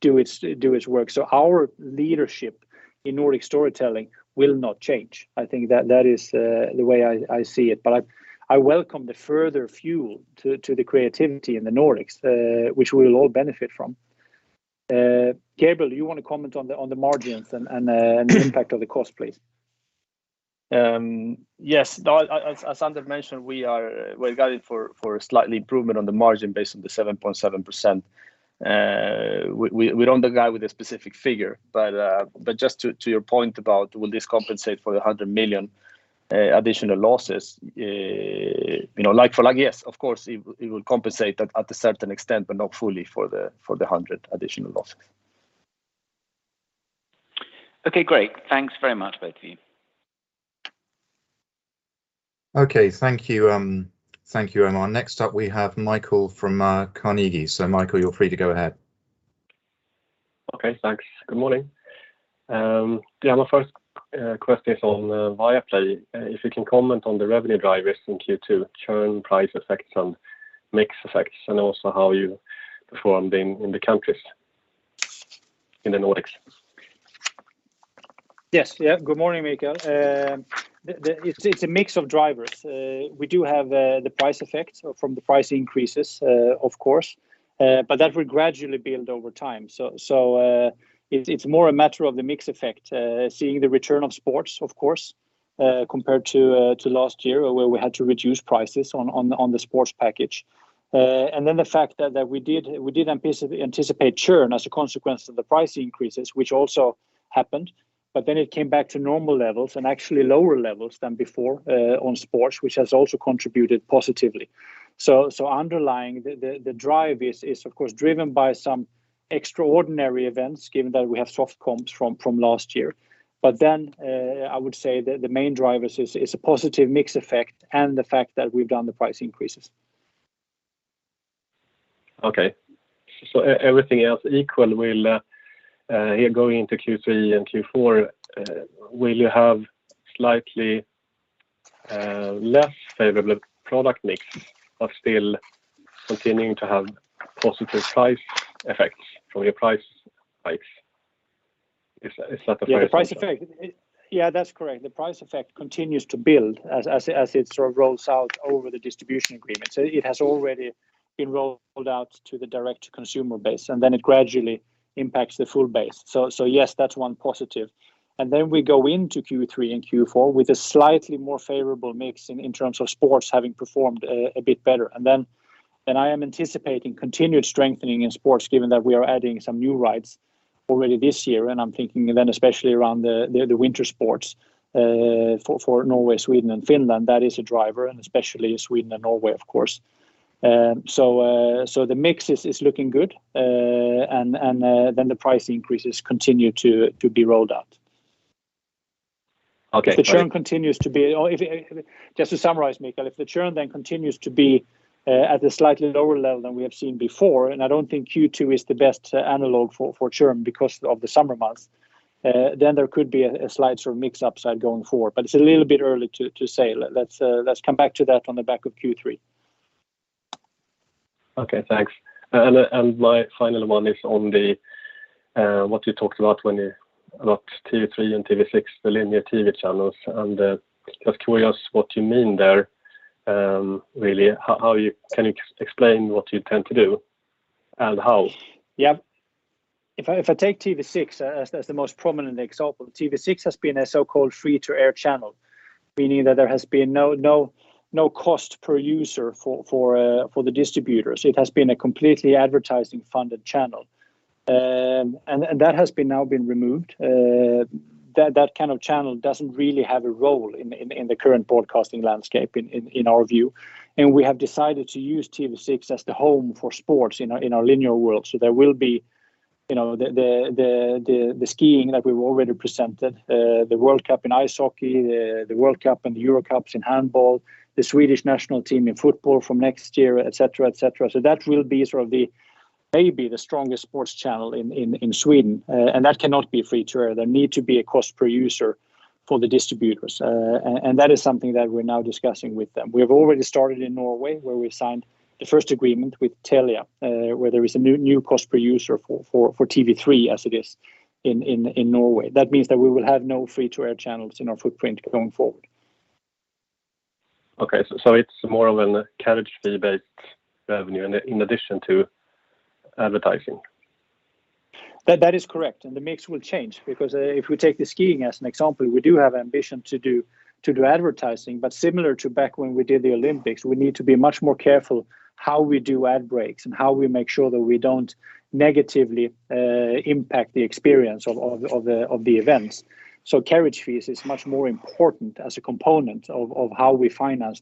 do its work. Our leadership in Nordic storytelling will not change. I think that is the way I see it, but I welcome the further fuel to the creativity in the Nordics, which we will all benefit from. Gabriel, you want to comment on the margins and the impact of the cost, please? Yes. As Anders mentioned, we are guided for a slight improvement on the margin based on the 7.7%. We don't guide with a specific figure. Just to your point about will this compensate for the 100 million additional losses, like for like, yes, of course it will compensate at a certain extent, but not fully for the 100 additional losses. Okay, great. Thanks very much both of you. Okay. Thank you, Omar. Next up, we have Mikael from Carnegie. Mikael, you're free to go ahead. Okay, thanks. Good morning. My first question is on Viaplay. If you can comment on the revenue drivers in Q2, churn price effects and mix effects, and also how you performed in the countries in the Nordics. Yes. Good morning, Mikael. It's a mix of drivers. We do have the price effects from the price increases, of course, but that will gradually build over time. It's more a matter of the mix effect, seeing the return of sports, of course, compared to last year where we had to reduce prices on the sports package. The fact that we did anticipate churn as a consequence of the price increases, which also happened, but then it came back to normal levels and actually lower levels than before on sports, which has also contributed positively. Underlying the drive is, of course, driven by some extraordinary events given that we have soft comps from last year. I would say that the main driver is a positive mix effect and the fact that we've done the price increases. Everything else equal, going into Q3 and Q4, will you have slightly less favorable product mix, but still continuing to have positive price effects from your price hikes? Yeah, that's correct. The price effect continues to build as it rolls out over the distribution agreement. It has already been rolled out to the direct consumer base, and then it gradually impacts the full base. Yes, that's one positive. We go into Q3 and Q4 with a slightly more favorable mix in terms of sports having performed a bit better. I am anticipating continued strengthening in sports given that we are adding some new rights already this year. I'm thinking then especially around the winter sports for Norway, Sweden and Finland. That is a driver and especially Sweden and Norway, of course. The mix is looking good. The price increases continue to be rolled out. Okay. Just to summarize, Mikael, if the churn then continues to be at a slightly lower level than we have seen before, and I don't think Q2 is the best analog for churn because of the summer months, then there could be a slight mix upside going forward. It's a little bit early to say. Let's come back to that on the back of Q3. Okay, thanks. My final one is on what you talked about TV3 and TV6, the linear TV channels. Just curious what you mean there, really. Can you explain what you intend to do and how? Yeah. If I take TV6 as the most prominent example, TV6 has been a so-called free to air channel, meaning that there has been no cost per user for the distributors. It has been a completely advertising funded channel. That has now been removed. That kind of channel doesn't really have a role in the current broadcasting landscape in our view. We have decided to use TV6 as the home for sports in our linear world. There will be the skiing that we've already presented, the World Cup in ice hockey, the World Cup and the Euro Cups in handball, the Swedish national team in football from next year, et cetera. That will be maybe the strongest sports channel in Sweden, and that cannot be free to air. There need to be a cost per user for the distributors. That is something that we're now discussing with them. We have already started in Norway, where we signed the first agreement with Telia, where there is a new cost per user for TV3 as it is in Norway. That means that we will have no free-to-air channels in our footprint going forward. Okay. It's more of a carriage fee-based revenue in addition to advertising. That is correct. The mix will change, because if we take the skiing as an example, we do have ambition to do advertising, but similar to back when we did the Olympics, we need to be much more careful how we do ad breaks and how we make sure that we don't negatively impact the experience of the events. Carriage fees is much more important as a component of how we finance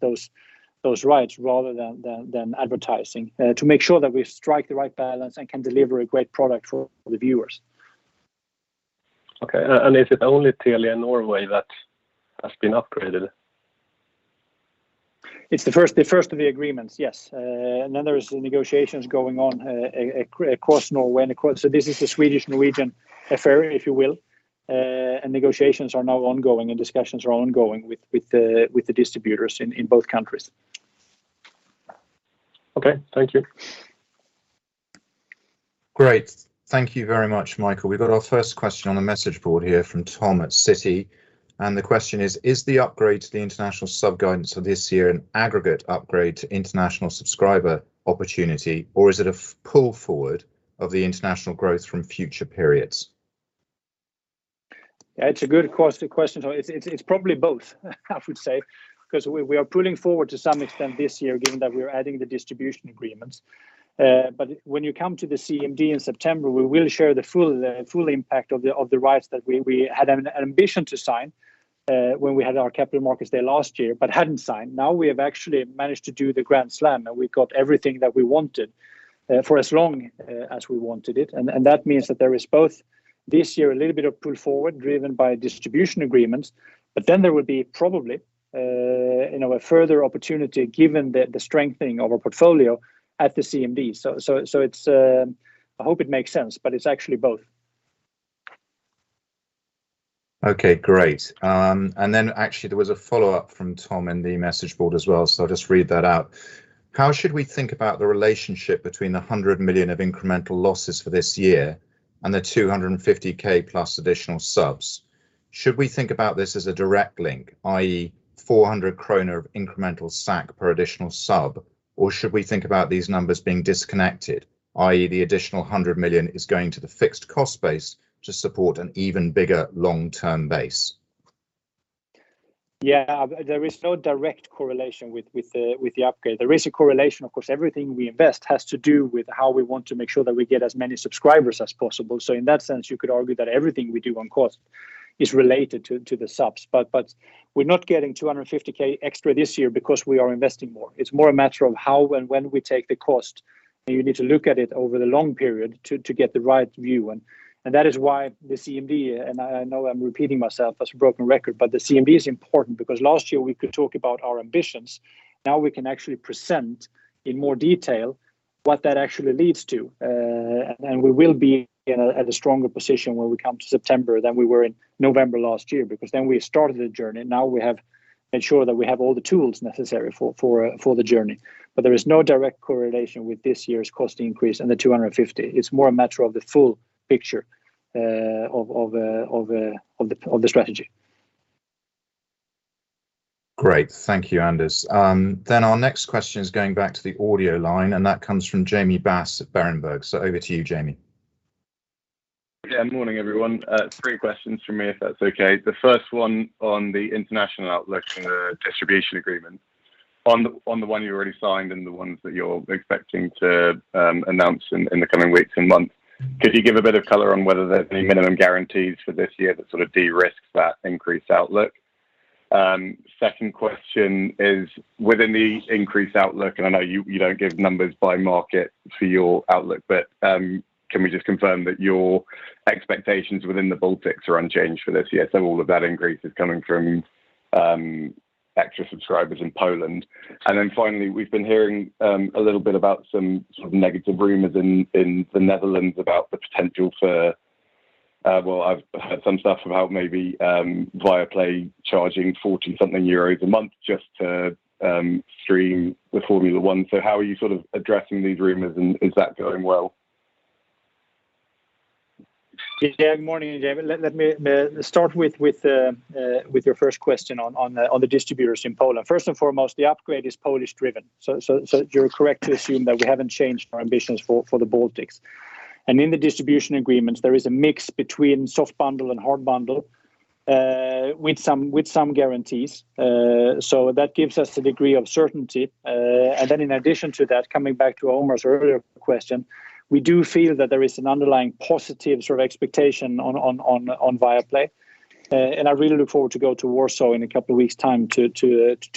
those rights rather than advertising, to make sure that we strike the right balance and can deliver a great product for the viewers. Okay. Is it only Telia Norway that has been upgraded? It's the first of the agreements, yes. There is negotiations going on across Norway. This is a Swedish-Norwegian affair, if you will. Negotiations are now ongoing, and discussions are ongoing with the distributors in both countries. Okay. Thank you. Great. Thank you very much, Mikael. We've got our first question on the message board here from Tom at Citi. The question is, "Is the upgrade to the international sub guidance for this year an aggregate upgrade to international subscriber opportunity, or is it a pull forward of the international growth from future periods? Yeah, it's a good question. It's probably both I would say. We are pulling forward to some extent this year, given that we are adding the distribution agreements. When you come to the CMD in September, we will share the full impact of the rights that we had an ambition to sign when we had our Capital Markets Day last year but hadn't signed. Now we have actually managed to do the Grand Slam, and we got everything that we wanted for as long as we wanted it. That means that there is both, this year, a little bit of pull forward driven by distribution agreements, but then there would be probably a further opportunity given the strengthening of our portfolio at the CMD. I hope it makes sense, but it's actually both. Okay, great. Actually, there was a follow-up from Tom in the message board as well, so I will just read that out. "How should we think about the relationship between the 100 million of incremental losses for this year and the 250,000 plus additional subs? Should we think about this as a direct link, i.e., 400 kroner of incremental SAC per additional sub, or should we think about these numbers being disconnected, i.e., the additional 100 million is going to the fixed cost base to support an even bigger long-term base? There is no direct correlation with the upgrade. There is a correlation, of course. Everything we invest has to do with how we want to make sure that we get as many subscribers as possible. In that sense, you could argue that everything we do on cost is related to the subs. We're not getting 250,000 extra this year because we are investing more. It's more a matter of how and when we take the cost, and you need to look at it over the long period to get the right view. That is why the CMD, and I know I'm repeating myself as a broken record, but the CMD is important because last year we could talk about our ambitions. Now we can actually present in more detail what that actually leads to. We will be at a stronger position when we come to September than we were in November last year, because then we started the journey. Now we have ensured that we have all the tools necessary for the journey. There is no direct correlation with this year's cost increase and 250. It's more a matter of the full picture of the strategy. Great. Thank you, Anders. Our next question is going back to the audio line, and that comes from Jamie Bass at Berenberg. Over to you, Jamie. Yeah. Morning, everyone. Three questions from me if that's okay. The first one on the international outlook and the distribution agreement. On the one you already signed and the ones that you're expecting to announce in the coming weeks and months, could you give a bit of color on whether there are any minimum guarantees for this year that sort of de-risks that increased outlook? Second question is within the increased outlook, and I know you don't give numbers by market for your outlook, but can we just confirm that your expectations within the Baltics are unchanged for this year, so all of that increase is coming from extra subscribers in Poland? Finally, we've been hearing a little bit about some sort of negative rumors in the Netherlands about the potential for I've heard some stuff about maybe Viaplay charging 40 euros something a month just to stream the Formula 1. How are you sort of addressing these rumors, and is that going well? Morning, Jamie. Let me start with your first question on the distributors in Poland. First and foremost, the upgrade is Polish driven. You're correct to assume that we haven't changed our ambitions for the Baltics. In the distribution agreements, there is a mix between soft bundle and hard bundle, with some guarantees. That gives us the degree of certainty. In addition to that, coming back to Omar's earlier question, we do feel that there is an underlying positive sort of expectation on Viaplay. I really look forward to go to Warsaw in a couple of weeks' time to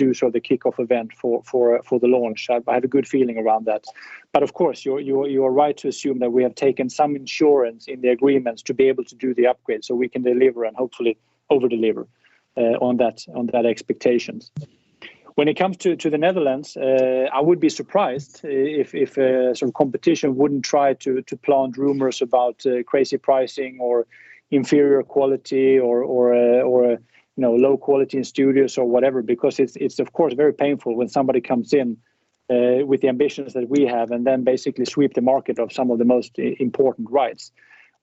do sort of the kickoff event for the launch. I have a good feeling around that. Of course, you are right to assume that we have taken some insurance in the agreements to be able to do the upgrade so we can deliver and hopefully over-deliver on that expectations. When it comes to the Netherlands, I would be surprised if some competition wouldn't try to plant rumors about crazy pricing or inferior quality or low quality in studios or whatever, because it's of course very painful when somebody comes in with the ambitions that we have and then basically sweep the market of some of the most important rights.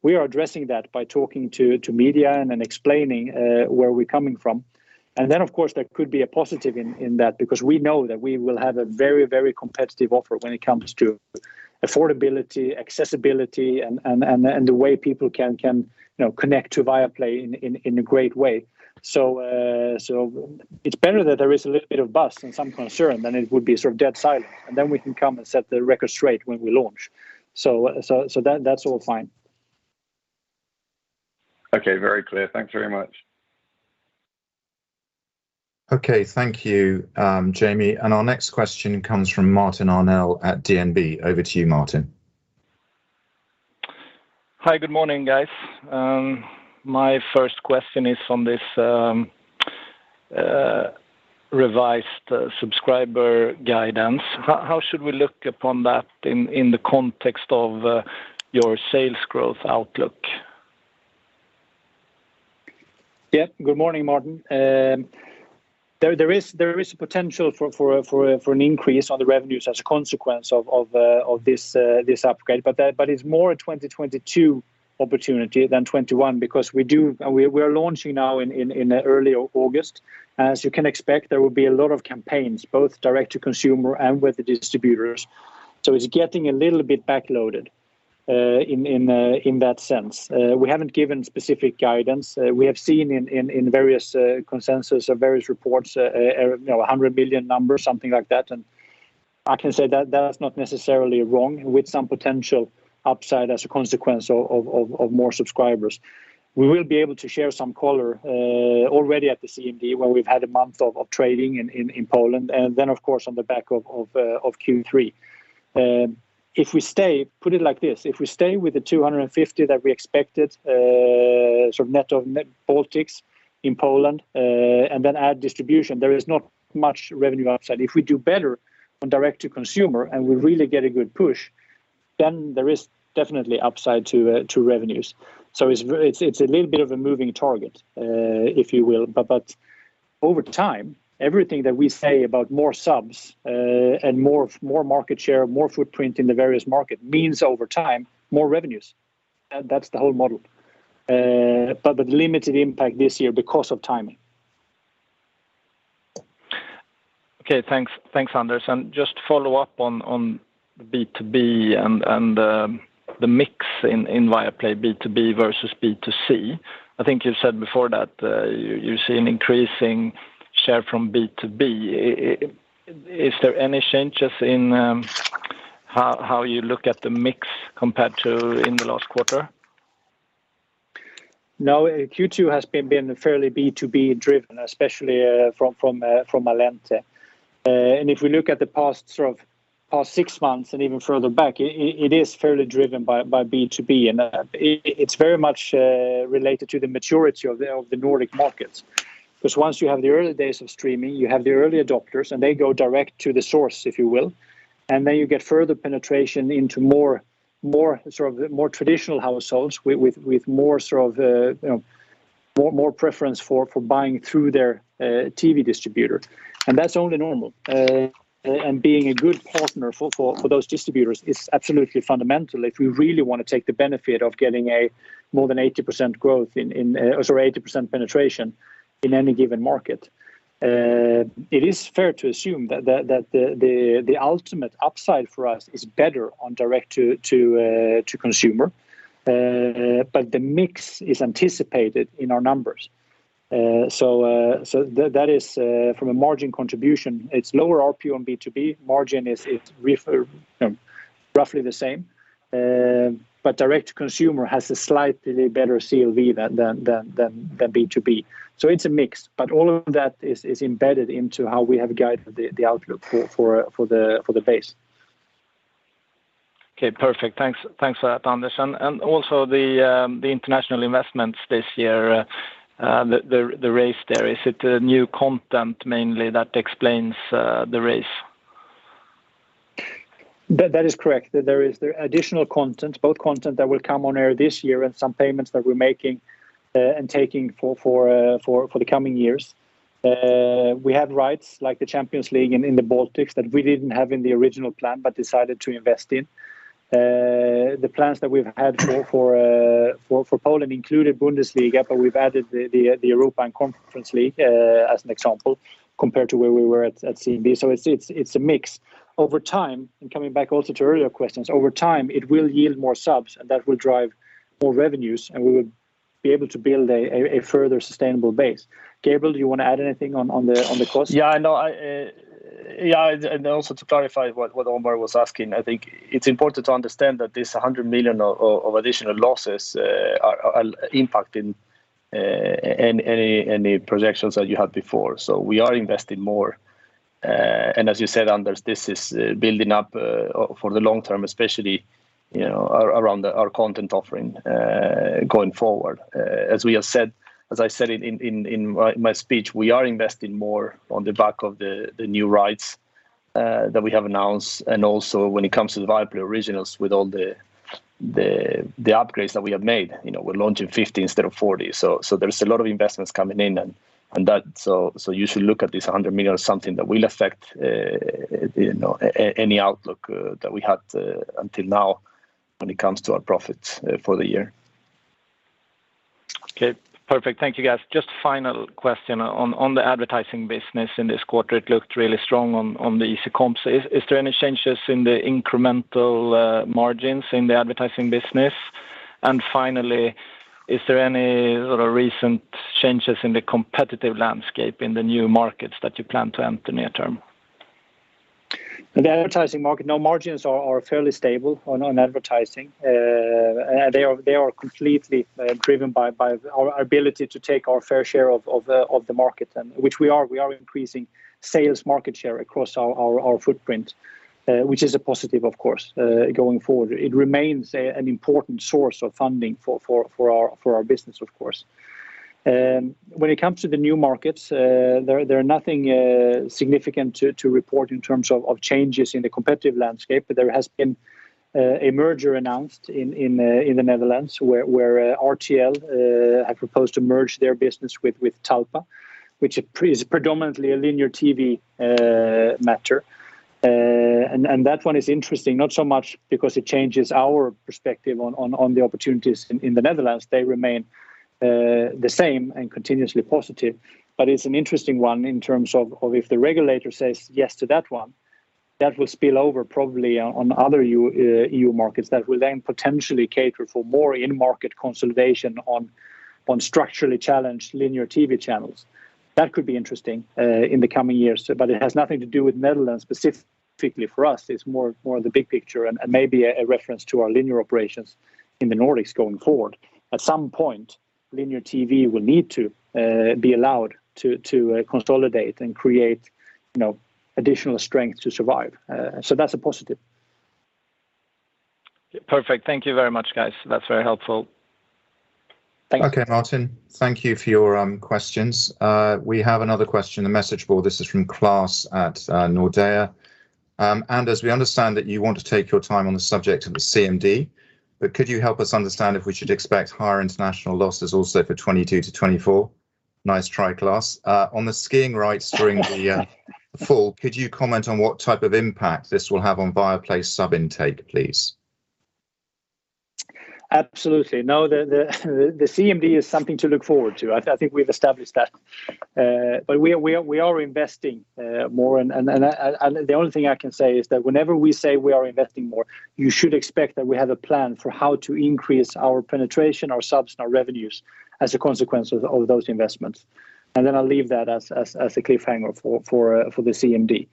We are addressing that by talking to media and then explaining where we're coming from. Of course, there could be a positive in that because we know that we will have a very competitive offer when it comes to affordability, accessibility, and the way people can connect to Viaplay in a great way. It's better that there is a little bit of buzz and some concern than it would be dead silent, and then we can come and set the record straight when we launch. That's all fine. Okay. Very clear. Thanks very much. Okay. Thank you, Jamie. Our next question comes from Martin Arnell at DNB. Over to you, Martin. Hi, good morning, guys. My first question is on this revised subscriber guidance. How should we look upon that in the context of your sales growth outlook? Good morning, Martin. There is a potential for an increase on the revenues as a consequence of this upgrade, but it's more a 2022 opportunity than 2021 because we are launching now in early August. As you can expect, there will be a lot of campaigns, both direct to consumer and with the distributors. It's getting a little bit back-loaded in that sense. We haven't given specific guidance. We have seen in various consensus or various reports, 100 billion, something like that. I can say that is not necessarily wrong with some potential upside as a consequence of more subscribers. We will be able to share some color already at the CMD when we've had a month of trading in Poland. Then, of course, on the back of Q3. Put it like this, if we stay with the 250 that we expected, net Baltics in Poland, and then add distribution, there is not much revenue upside. If we do better on direct to consumer and we really get a good push, then there is definitely upside to revenues. It's a little bit of a moving target, if you will. Over time, everything that we say about more subs and more market share, more footprint in the various market means over time, more revenues. That's the whole model. The limited impact this year because of timing. Okay, thanks, Anders. Just follow up on B2B and the mix in Viaplay B2B versus B2C. I think you've said before that you're seeing increasing share from B2B. Is there any changes in how you look at the mix compared to in the last quarter? No, Q2 has been fairly B2B driven, especially from Allente. If we look at the past six months and even further back, it is fairly driven by B2B, and it's very much related to the maturity of the Nordic markets. Because once you have the early days of streaming, you have the early adopters, they go direct to the source, if you will, then you get further penetration into more traditional households with more preference for buying through their TV distributor. Being a good partner for those distributors is absolutely fundamental if we really want to take the benefit of getting a more than 80% penetration in any given market. It is fair to assume that the ultimate upside for us is better on direct to consumer. The mix is anticipated in our numbers. That is, from a margin contribution, it's lower ARPU on B2B. Margin is roughly the same. Direct to consumer has a slightly better CLV than B2B. It's a mix, but all of that is embedded into how we have guided the outlook for the base. Okay, perfect. Thanks for that, Anders. Also the international investments this year, the race there, is it new content mainly that explains the race? That is correct. There is additional content, both content that will come on air this year and some payments that we're making and taking for the coming years. We have rights like the Champions League in the Baltics that we didn't have in the original plan but decided to invest in. The plans that we've had for Poland included Bundesliga, but we've added the Europa and Conference League as an example, compared to where we were at CMD. It's a mix. Over time, and coming back also to earlier questions, over time, it will yield more subs, and that will drive more revenues, and we will be able to build a further sustainable base. Gabriel, do you want to add anything on the cost? Also to clarify what Omar was asking, I think it's important to understand that this 100 million of additional losses are impacting any projections that you had before. We are investing more. As you said, Anders, this is building up for the long term, especially around our content offering going forward. As I said in my speech, we are investing more on the back of the new rights that we have announced. Also, when it comes to the Viaplay originals with all the upgrades that we have made. We're launching 50 instead of 40. There's a lot of investments coming in. You should look at this 100 million as something that will affect any outlook that we had until now when it comes to our profits for the year. Okay, perfect. Thank you, guys. Just final question. On the advertising business in this quarter, it looked really strong on the organic comps. Is there any changes in the incremental margins in the advertising business? Finally, is there any recent changes in the competitive landscape in the new markets that you plan to enter near term? The advertising market, no margins are fairly stable on advertising. They are completely driven by our ability to take our fair share of the market, which we are. We are increasing sales market share across our footprint, which is a positive of course, going forward. It remains an important source of funding for our business, of course. When it comes to the new markets, there are nothing significant to report in terms of changes in the competitive landscape. There has been a merger announced in the Netherlands where RTL have proposed to merge their business with Talpa, which is predominantly a linear TV matter. That one is interesting, not so much because it changes our perspective on the opportunities in the Netherlands, they remain the same and continuously positive. It's an interesting one in terms of if the regulator says yes to that one, that will spill over probably on other EU markets that will then potentially cater for more in-market consolidation on structurally challenged linear TV channels. That could be interesting in the coming years, but it has nothing to do with Netherlands specifically for us. It's more of the big picture and maybe a reference to our linear operations in the Nordics going forward. At some point, linear TV will need to be allowed to consolidate and create additional strength to survive. That's a positive. Perfect. Thank you very much, guys. That's very helpful. Thank you. Okay, Martin. Thank you for your questions. We have another question, the message board, this is from Clas at Nordea. "Anders, we understand that you want to take your time on the subject of the CMD, but could you help us understand if we should expect higher international losses also for 2022-2024?" Nice try, Clas. On the skiing rights during the fall, could you comment on what type of impact this will have on Viaplay sub intake, please? Absolutely. No, the CMD is something to look forward to. I think we've established that. We are investing more, and the only thing I can say is that whenever we say we are investing more, you should expect that we have a plan for how to increase our penetration, our subs, and our revenues as a consequence of those investments. I'll leave that as a cliffhanger for the CMD.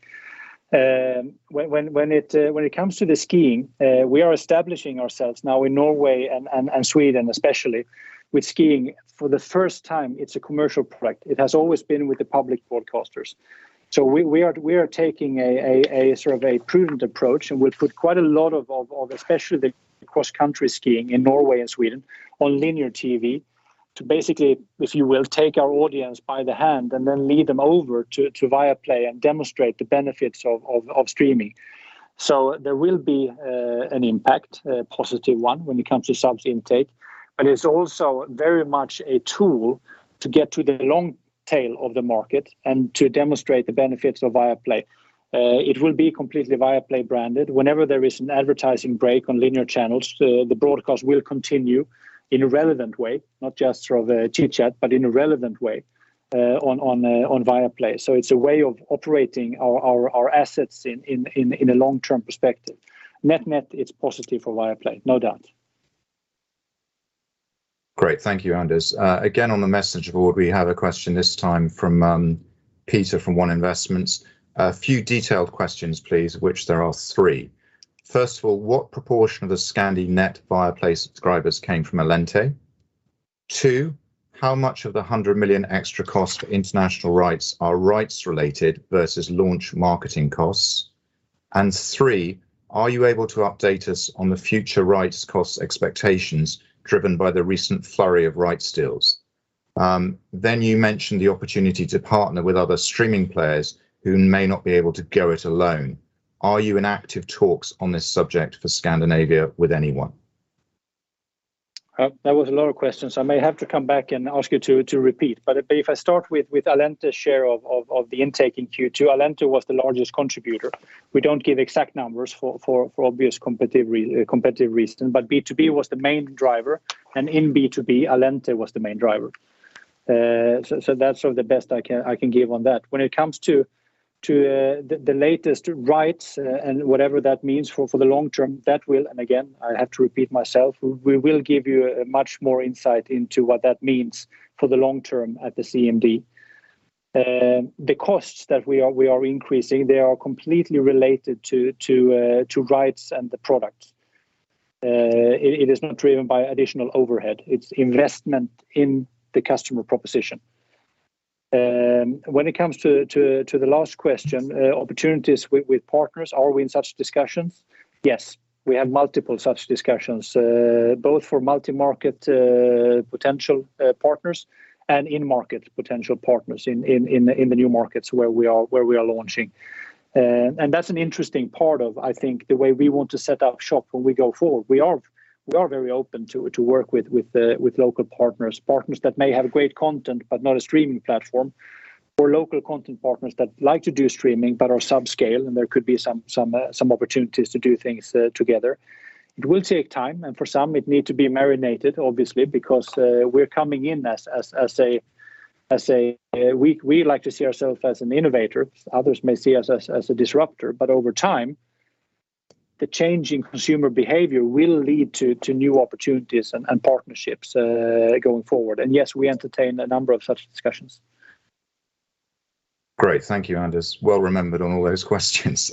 When it comes to the skiing, we are establishing ourselves now in Norway and Sweden, especially with skiing. For the first time, it's a commercial product. It has always been with the public broadcasters. We are taking a prudent approach, and we'll put quite a lot of, especially the cross-country skiing in Norway and Sweden on linear TV to basically, if you will, take our audience by the hand and then lead them over to Viaplay and demonstrate the benefits of streaming. There will be an impact, a positive one, when it comes to sub intake. It's also very much a tool to get to the long tail of the market and to demonstrate the benefits of Viaplay. It will be completely Viaplay branded. Whenever there is an advertising break on linear channels, the broadcast will continue in a relevant way, not just through the chitchat, but in a relevant way on Viaplay. It's a way of operating our assets in a long-term perspective. Net, it's positive for Viaplay, no doubt. Great. Thank you, Anders. Again, on the message board, we have a question this time from Peter from One Investments. A few detailed questions, please, which there are three. First of all, what proportion of the Scandinavian Viaplay subscribers came from Allente? Two, how much of the 100 million extra cost for international rights are rights related versus launch marketing costs? Three, are you able to update us on the future rights cost expectations driven by the recent flurry of rights deals? You mentioned the opportunity to partner with other streaming players who may not be able to go it alone. Are you in active talks on this subject for Scandinavia with anyone? That was a lot of questions. I may have to come back and ask you to repeat, but if I start with Allente's share of the intake in Q2, Allente was the largest contributor. We don't give exact numbers for obvious competitive reason, but B2B was the main driver, and in B2B, Allente was the main driver. That's the best I can give on that. When it comes to the latest rights and whatever that means for the long term, that will, and again, I have to repeat myself, we will give you much more insight into what that means for the long term at the CMD. The costs that we are increasing, they are completely related to rights and the product. It is not driven by additional overhead. It's investment in the customer proposition. When it comes to the last question, opportunities with partners, are we in such discussions? Yes. We have multiple such discussions, both for multi-market potential partners and in-market potential partners in the new markets where we are launching. That's an interesting part of, I think, the way we want to set up shop when we go forward. We are very open to work with local partners that may have great content, but not a streaming platform, or local content partners that like to do streaming but are subscale, and there could be some opportunities to do things together. It will take time, for some, it needs to be marinated, obviously, because we're coming in. We like to see ourselves as an innovator. Others may see us as a disruptor, over time, the change in consumer behavior will lead to new opportunities and partnerships going forward. Yes, we entertain a number of such discussions. Great. Thank you, Anders. Well remembered on all those questions.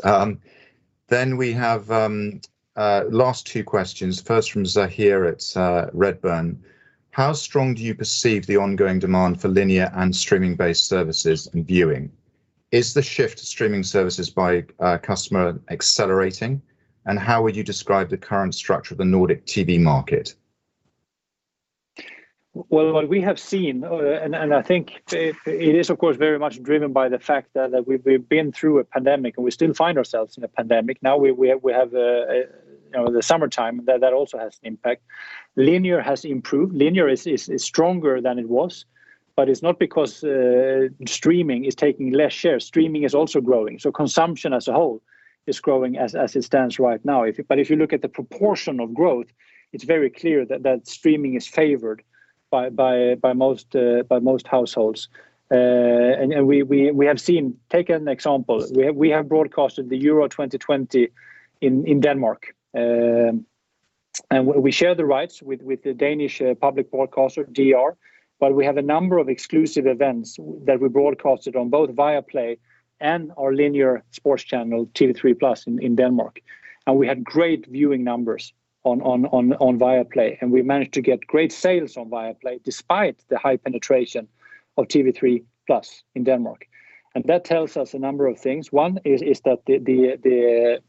We have last two questions, first from Zaheer at Redburn. "How strong do you perceive the ongoing demand for linear and streaming-based services and viewing? Is the shift to streaming services by customer accelerating, and how would you describe the current structure of the Nordic TV market? Well, what we have seen, and I think it is, of course, very much driven by the fact that we've been through a pandemic, and we still find ourselves in a pandemic. Now we have the summertime. That also has an impact. Linear has improved. Linear is stronger than it was, but it's not because streaming is taking less shares. Streaming is also growing. Consumption as a whole is growing as it stands right now. If you look at the proportion of growth, it's very clear that streaming is favored by most households. We have seen, take an example, we have broadcasted the Euro 2020 in Denmark. We share the rights with the Danish public broadcaster, DR, but we have a number of exclusive events that we broadcasted on both Viaplay and our linear sports channel, TV3+, in Denmark. We had great viewing numbers on Viaplay, and we managed to get great sales on Viaplay despite the high penetration of TV3+ in Denmark. That tells us a number of things. One is that the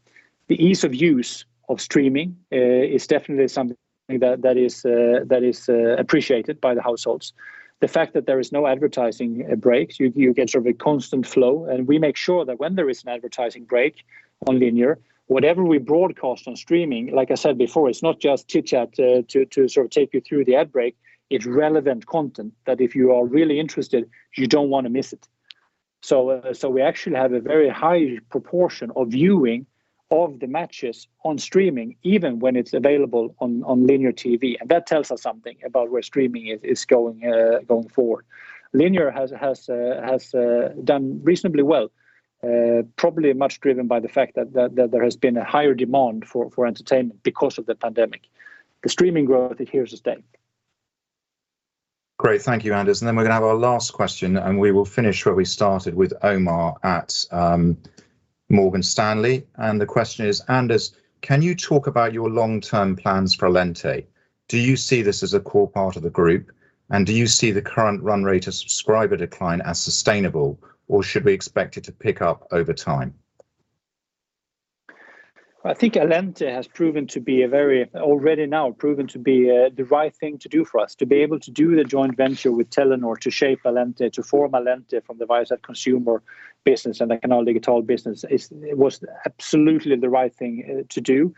ease of use of streaming is definitely something that is appreciated by the households. The fact that there is no advertising breaks, you get a constant flow, and we make sure that when there is an advertising break on linear, whatever we broadcast on streaming, like I said before, it's not just chitchat to take you through the ad break, it's relevant content that if you are really interested, you don't want to miss it. We actually have a very high proportion of viewing of the matches on streaming, even when it's available on linear TV, and that tells us something about where streaming is going forward. Linear has done reasonably well, probably much driven by the fact that there has been a higher demand for entertainment because of the pandemic. The streaming growth is here to stay. Great. Thank you, Anders. We're going to have our last question, and we will finish where we started with Omar at Morgan Stanley. The question is, "Anders, can you talk about your long-term plans for Allente? Do you see this as a core part of the group? And do you see the current run rate of subscriber decline as sustainable, or should we expect it to pick up over time? I think Allente has already now proven to be the right thing to do for us, to be able to do the joint venture with Telenor, to shape Allente, to form Allente from the Viasat Consumer business and the Canal Digital business. It was absolutely the right thing to do,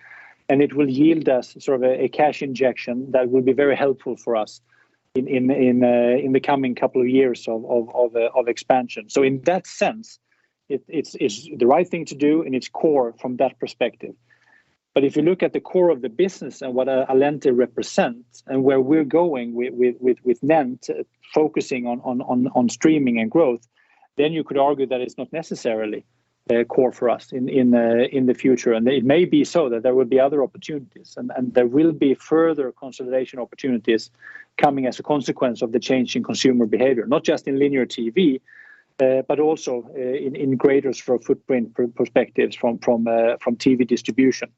and it will yield us a cash injection that will be very helpful for us in the coming couple of years of expansion. In that sense, it's the right thing to do, and it's core from that perspective. If you look at the core of the business and what Allente represents and where we're going with NENT, focusing on streaming and growth, then you could argue that it's not necessarily core for us in the future. It may be so that there will be other opportunities, and there will be further consolidation opportunities coming as a consequence of the change in consumer behavior, not just in linear TV, but also in greater footprint perspectives from TV distribution.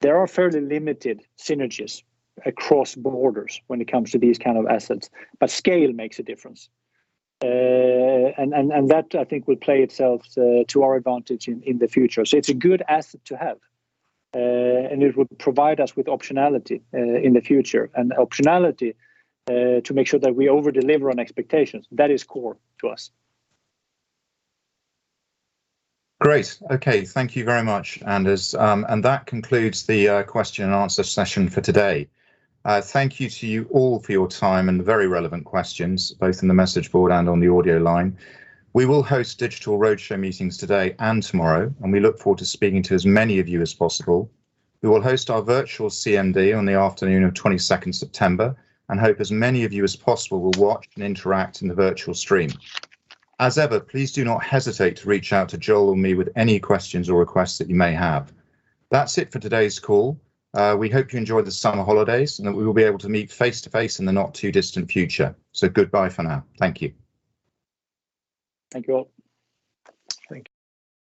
There are fairly limited synergies across borders when it comes to these kinds of assets, but scale makes a difference. That, I think, will play itself to our advantage in the future. It's a good asset to have, and it would provide us with optionality in the future, and optionality to make sure that we over-deliver on expectations. That is core to us. Great. Thank you very much, Anders. That concludes the question-and-answer session for today. Thank you to you all for your time and the very relevant questions, both in the message board and on the audio line. We will host digital roadshow meetings today and tomorrow, and we look forward to speaking to as many of you as possible. We will host our virtual CMD on the afternoon of 22nd September and hope as many of you as possible will watch and interact in the virtual stream. As ever, please do not hesitate to reach out to Joel or me with any questions or requests that you may have. That's it for today's call. We hope you enjoy the summer holidays and that we will be able to meet face-to-face in the not-too-distant future. Goodbye for now. Thank you. Thank you all. Thank you.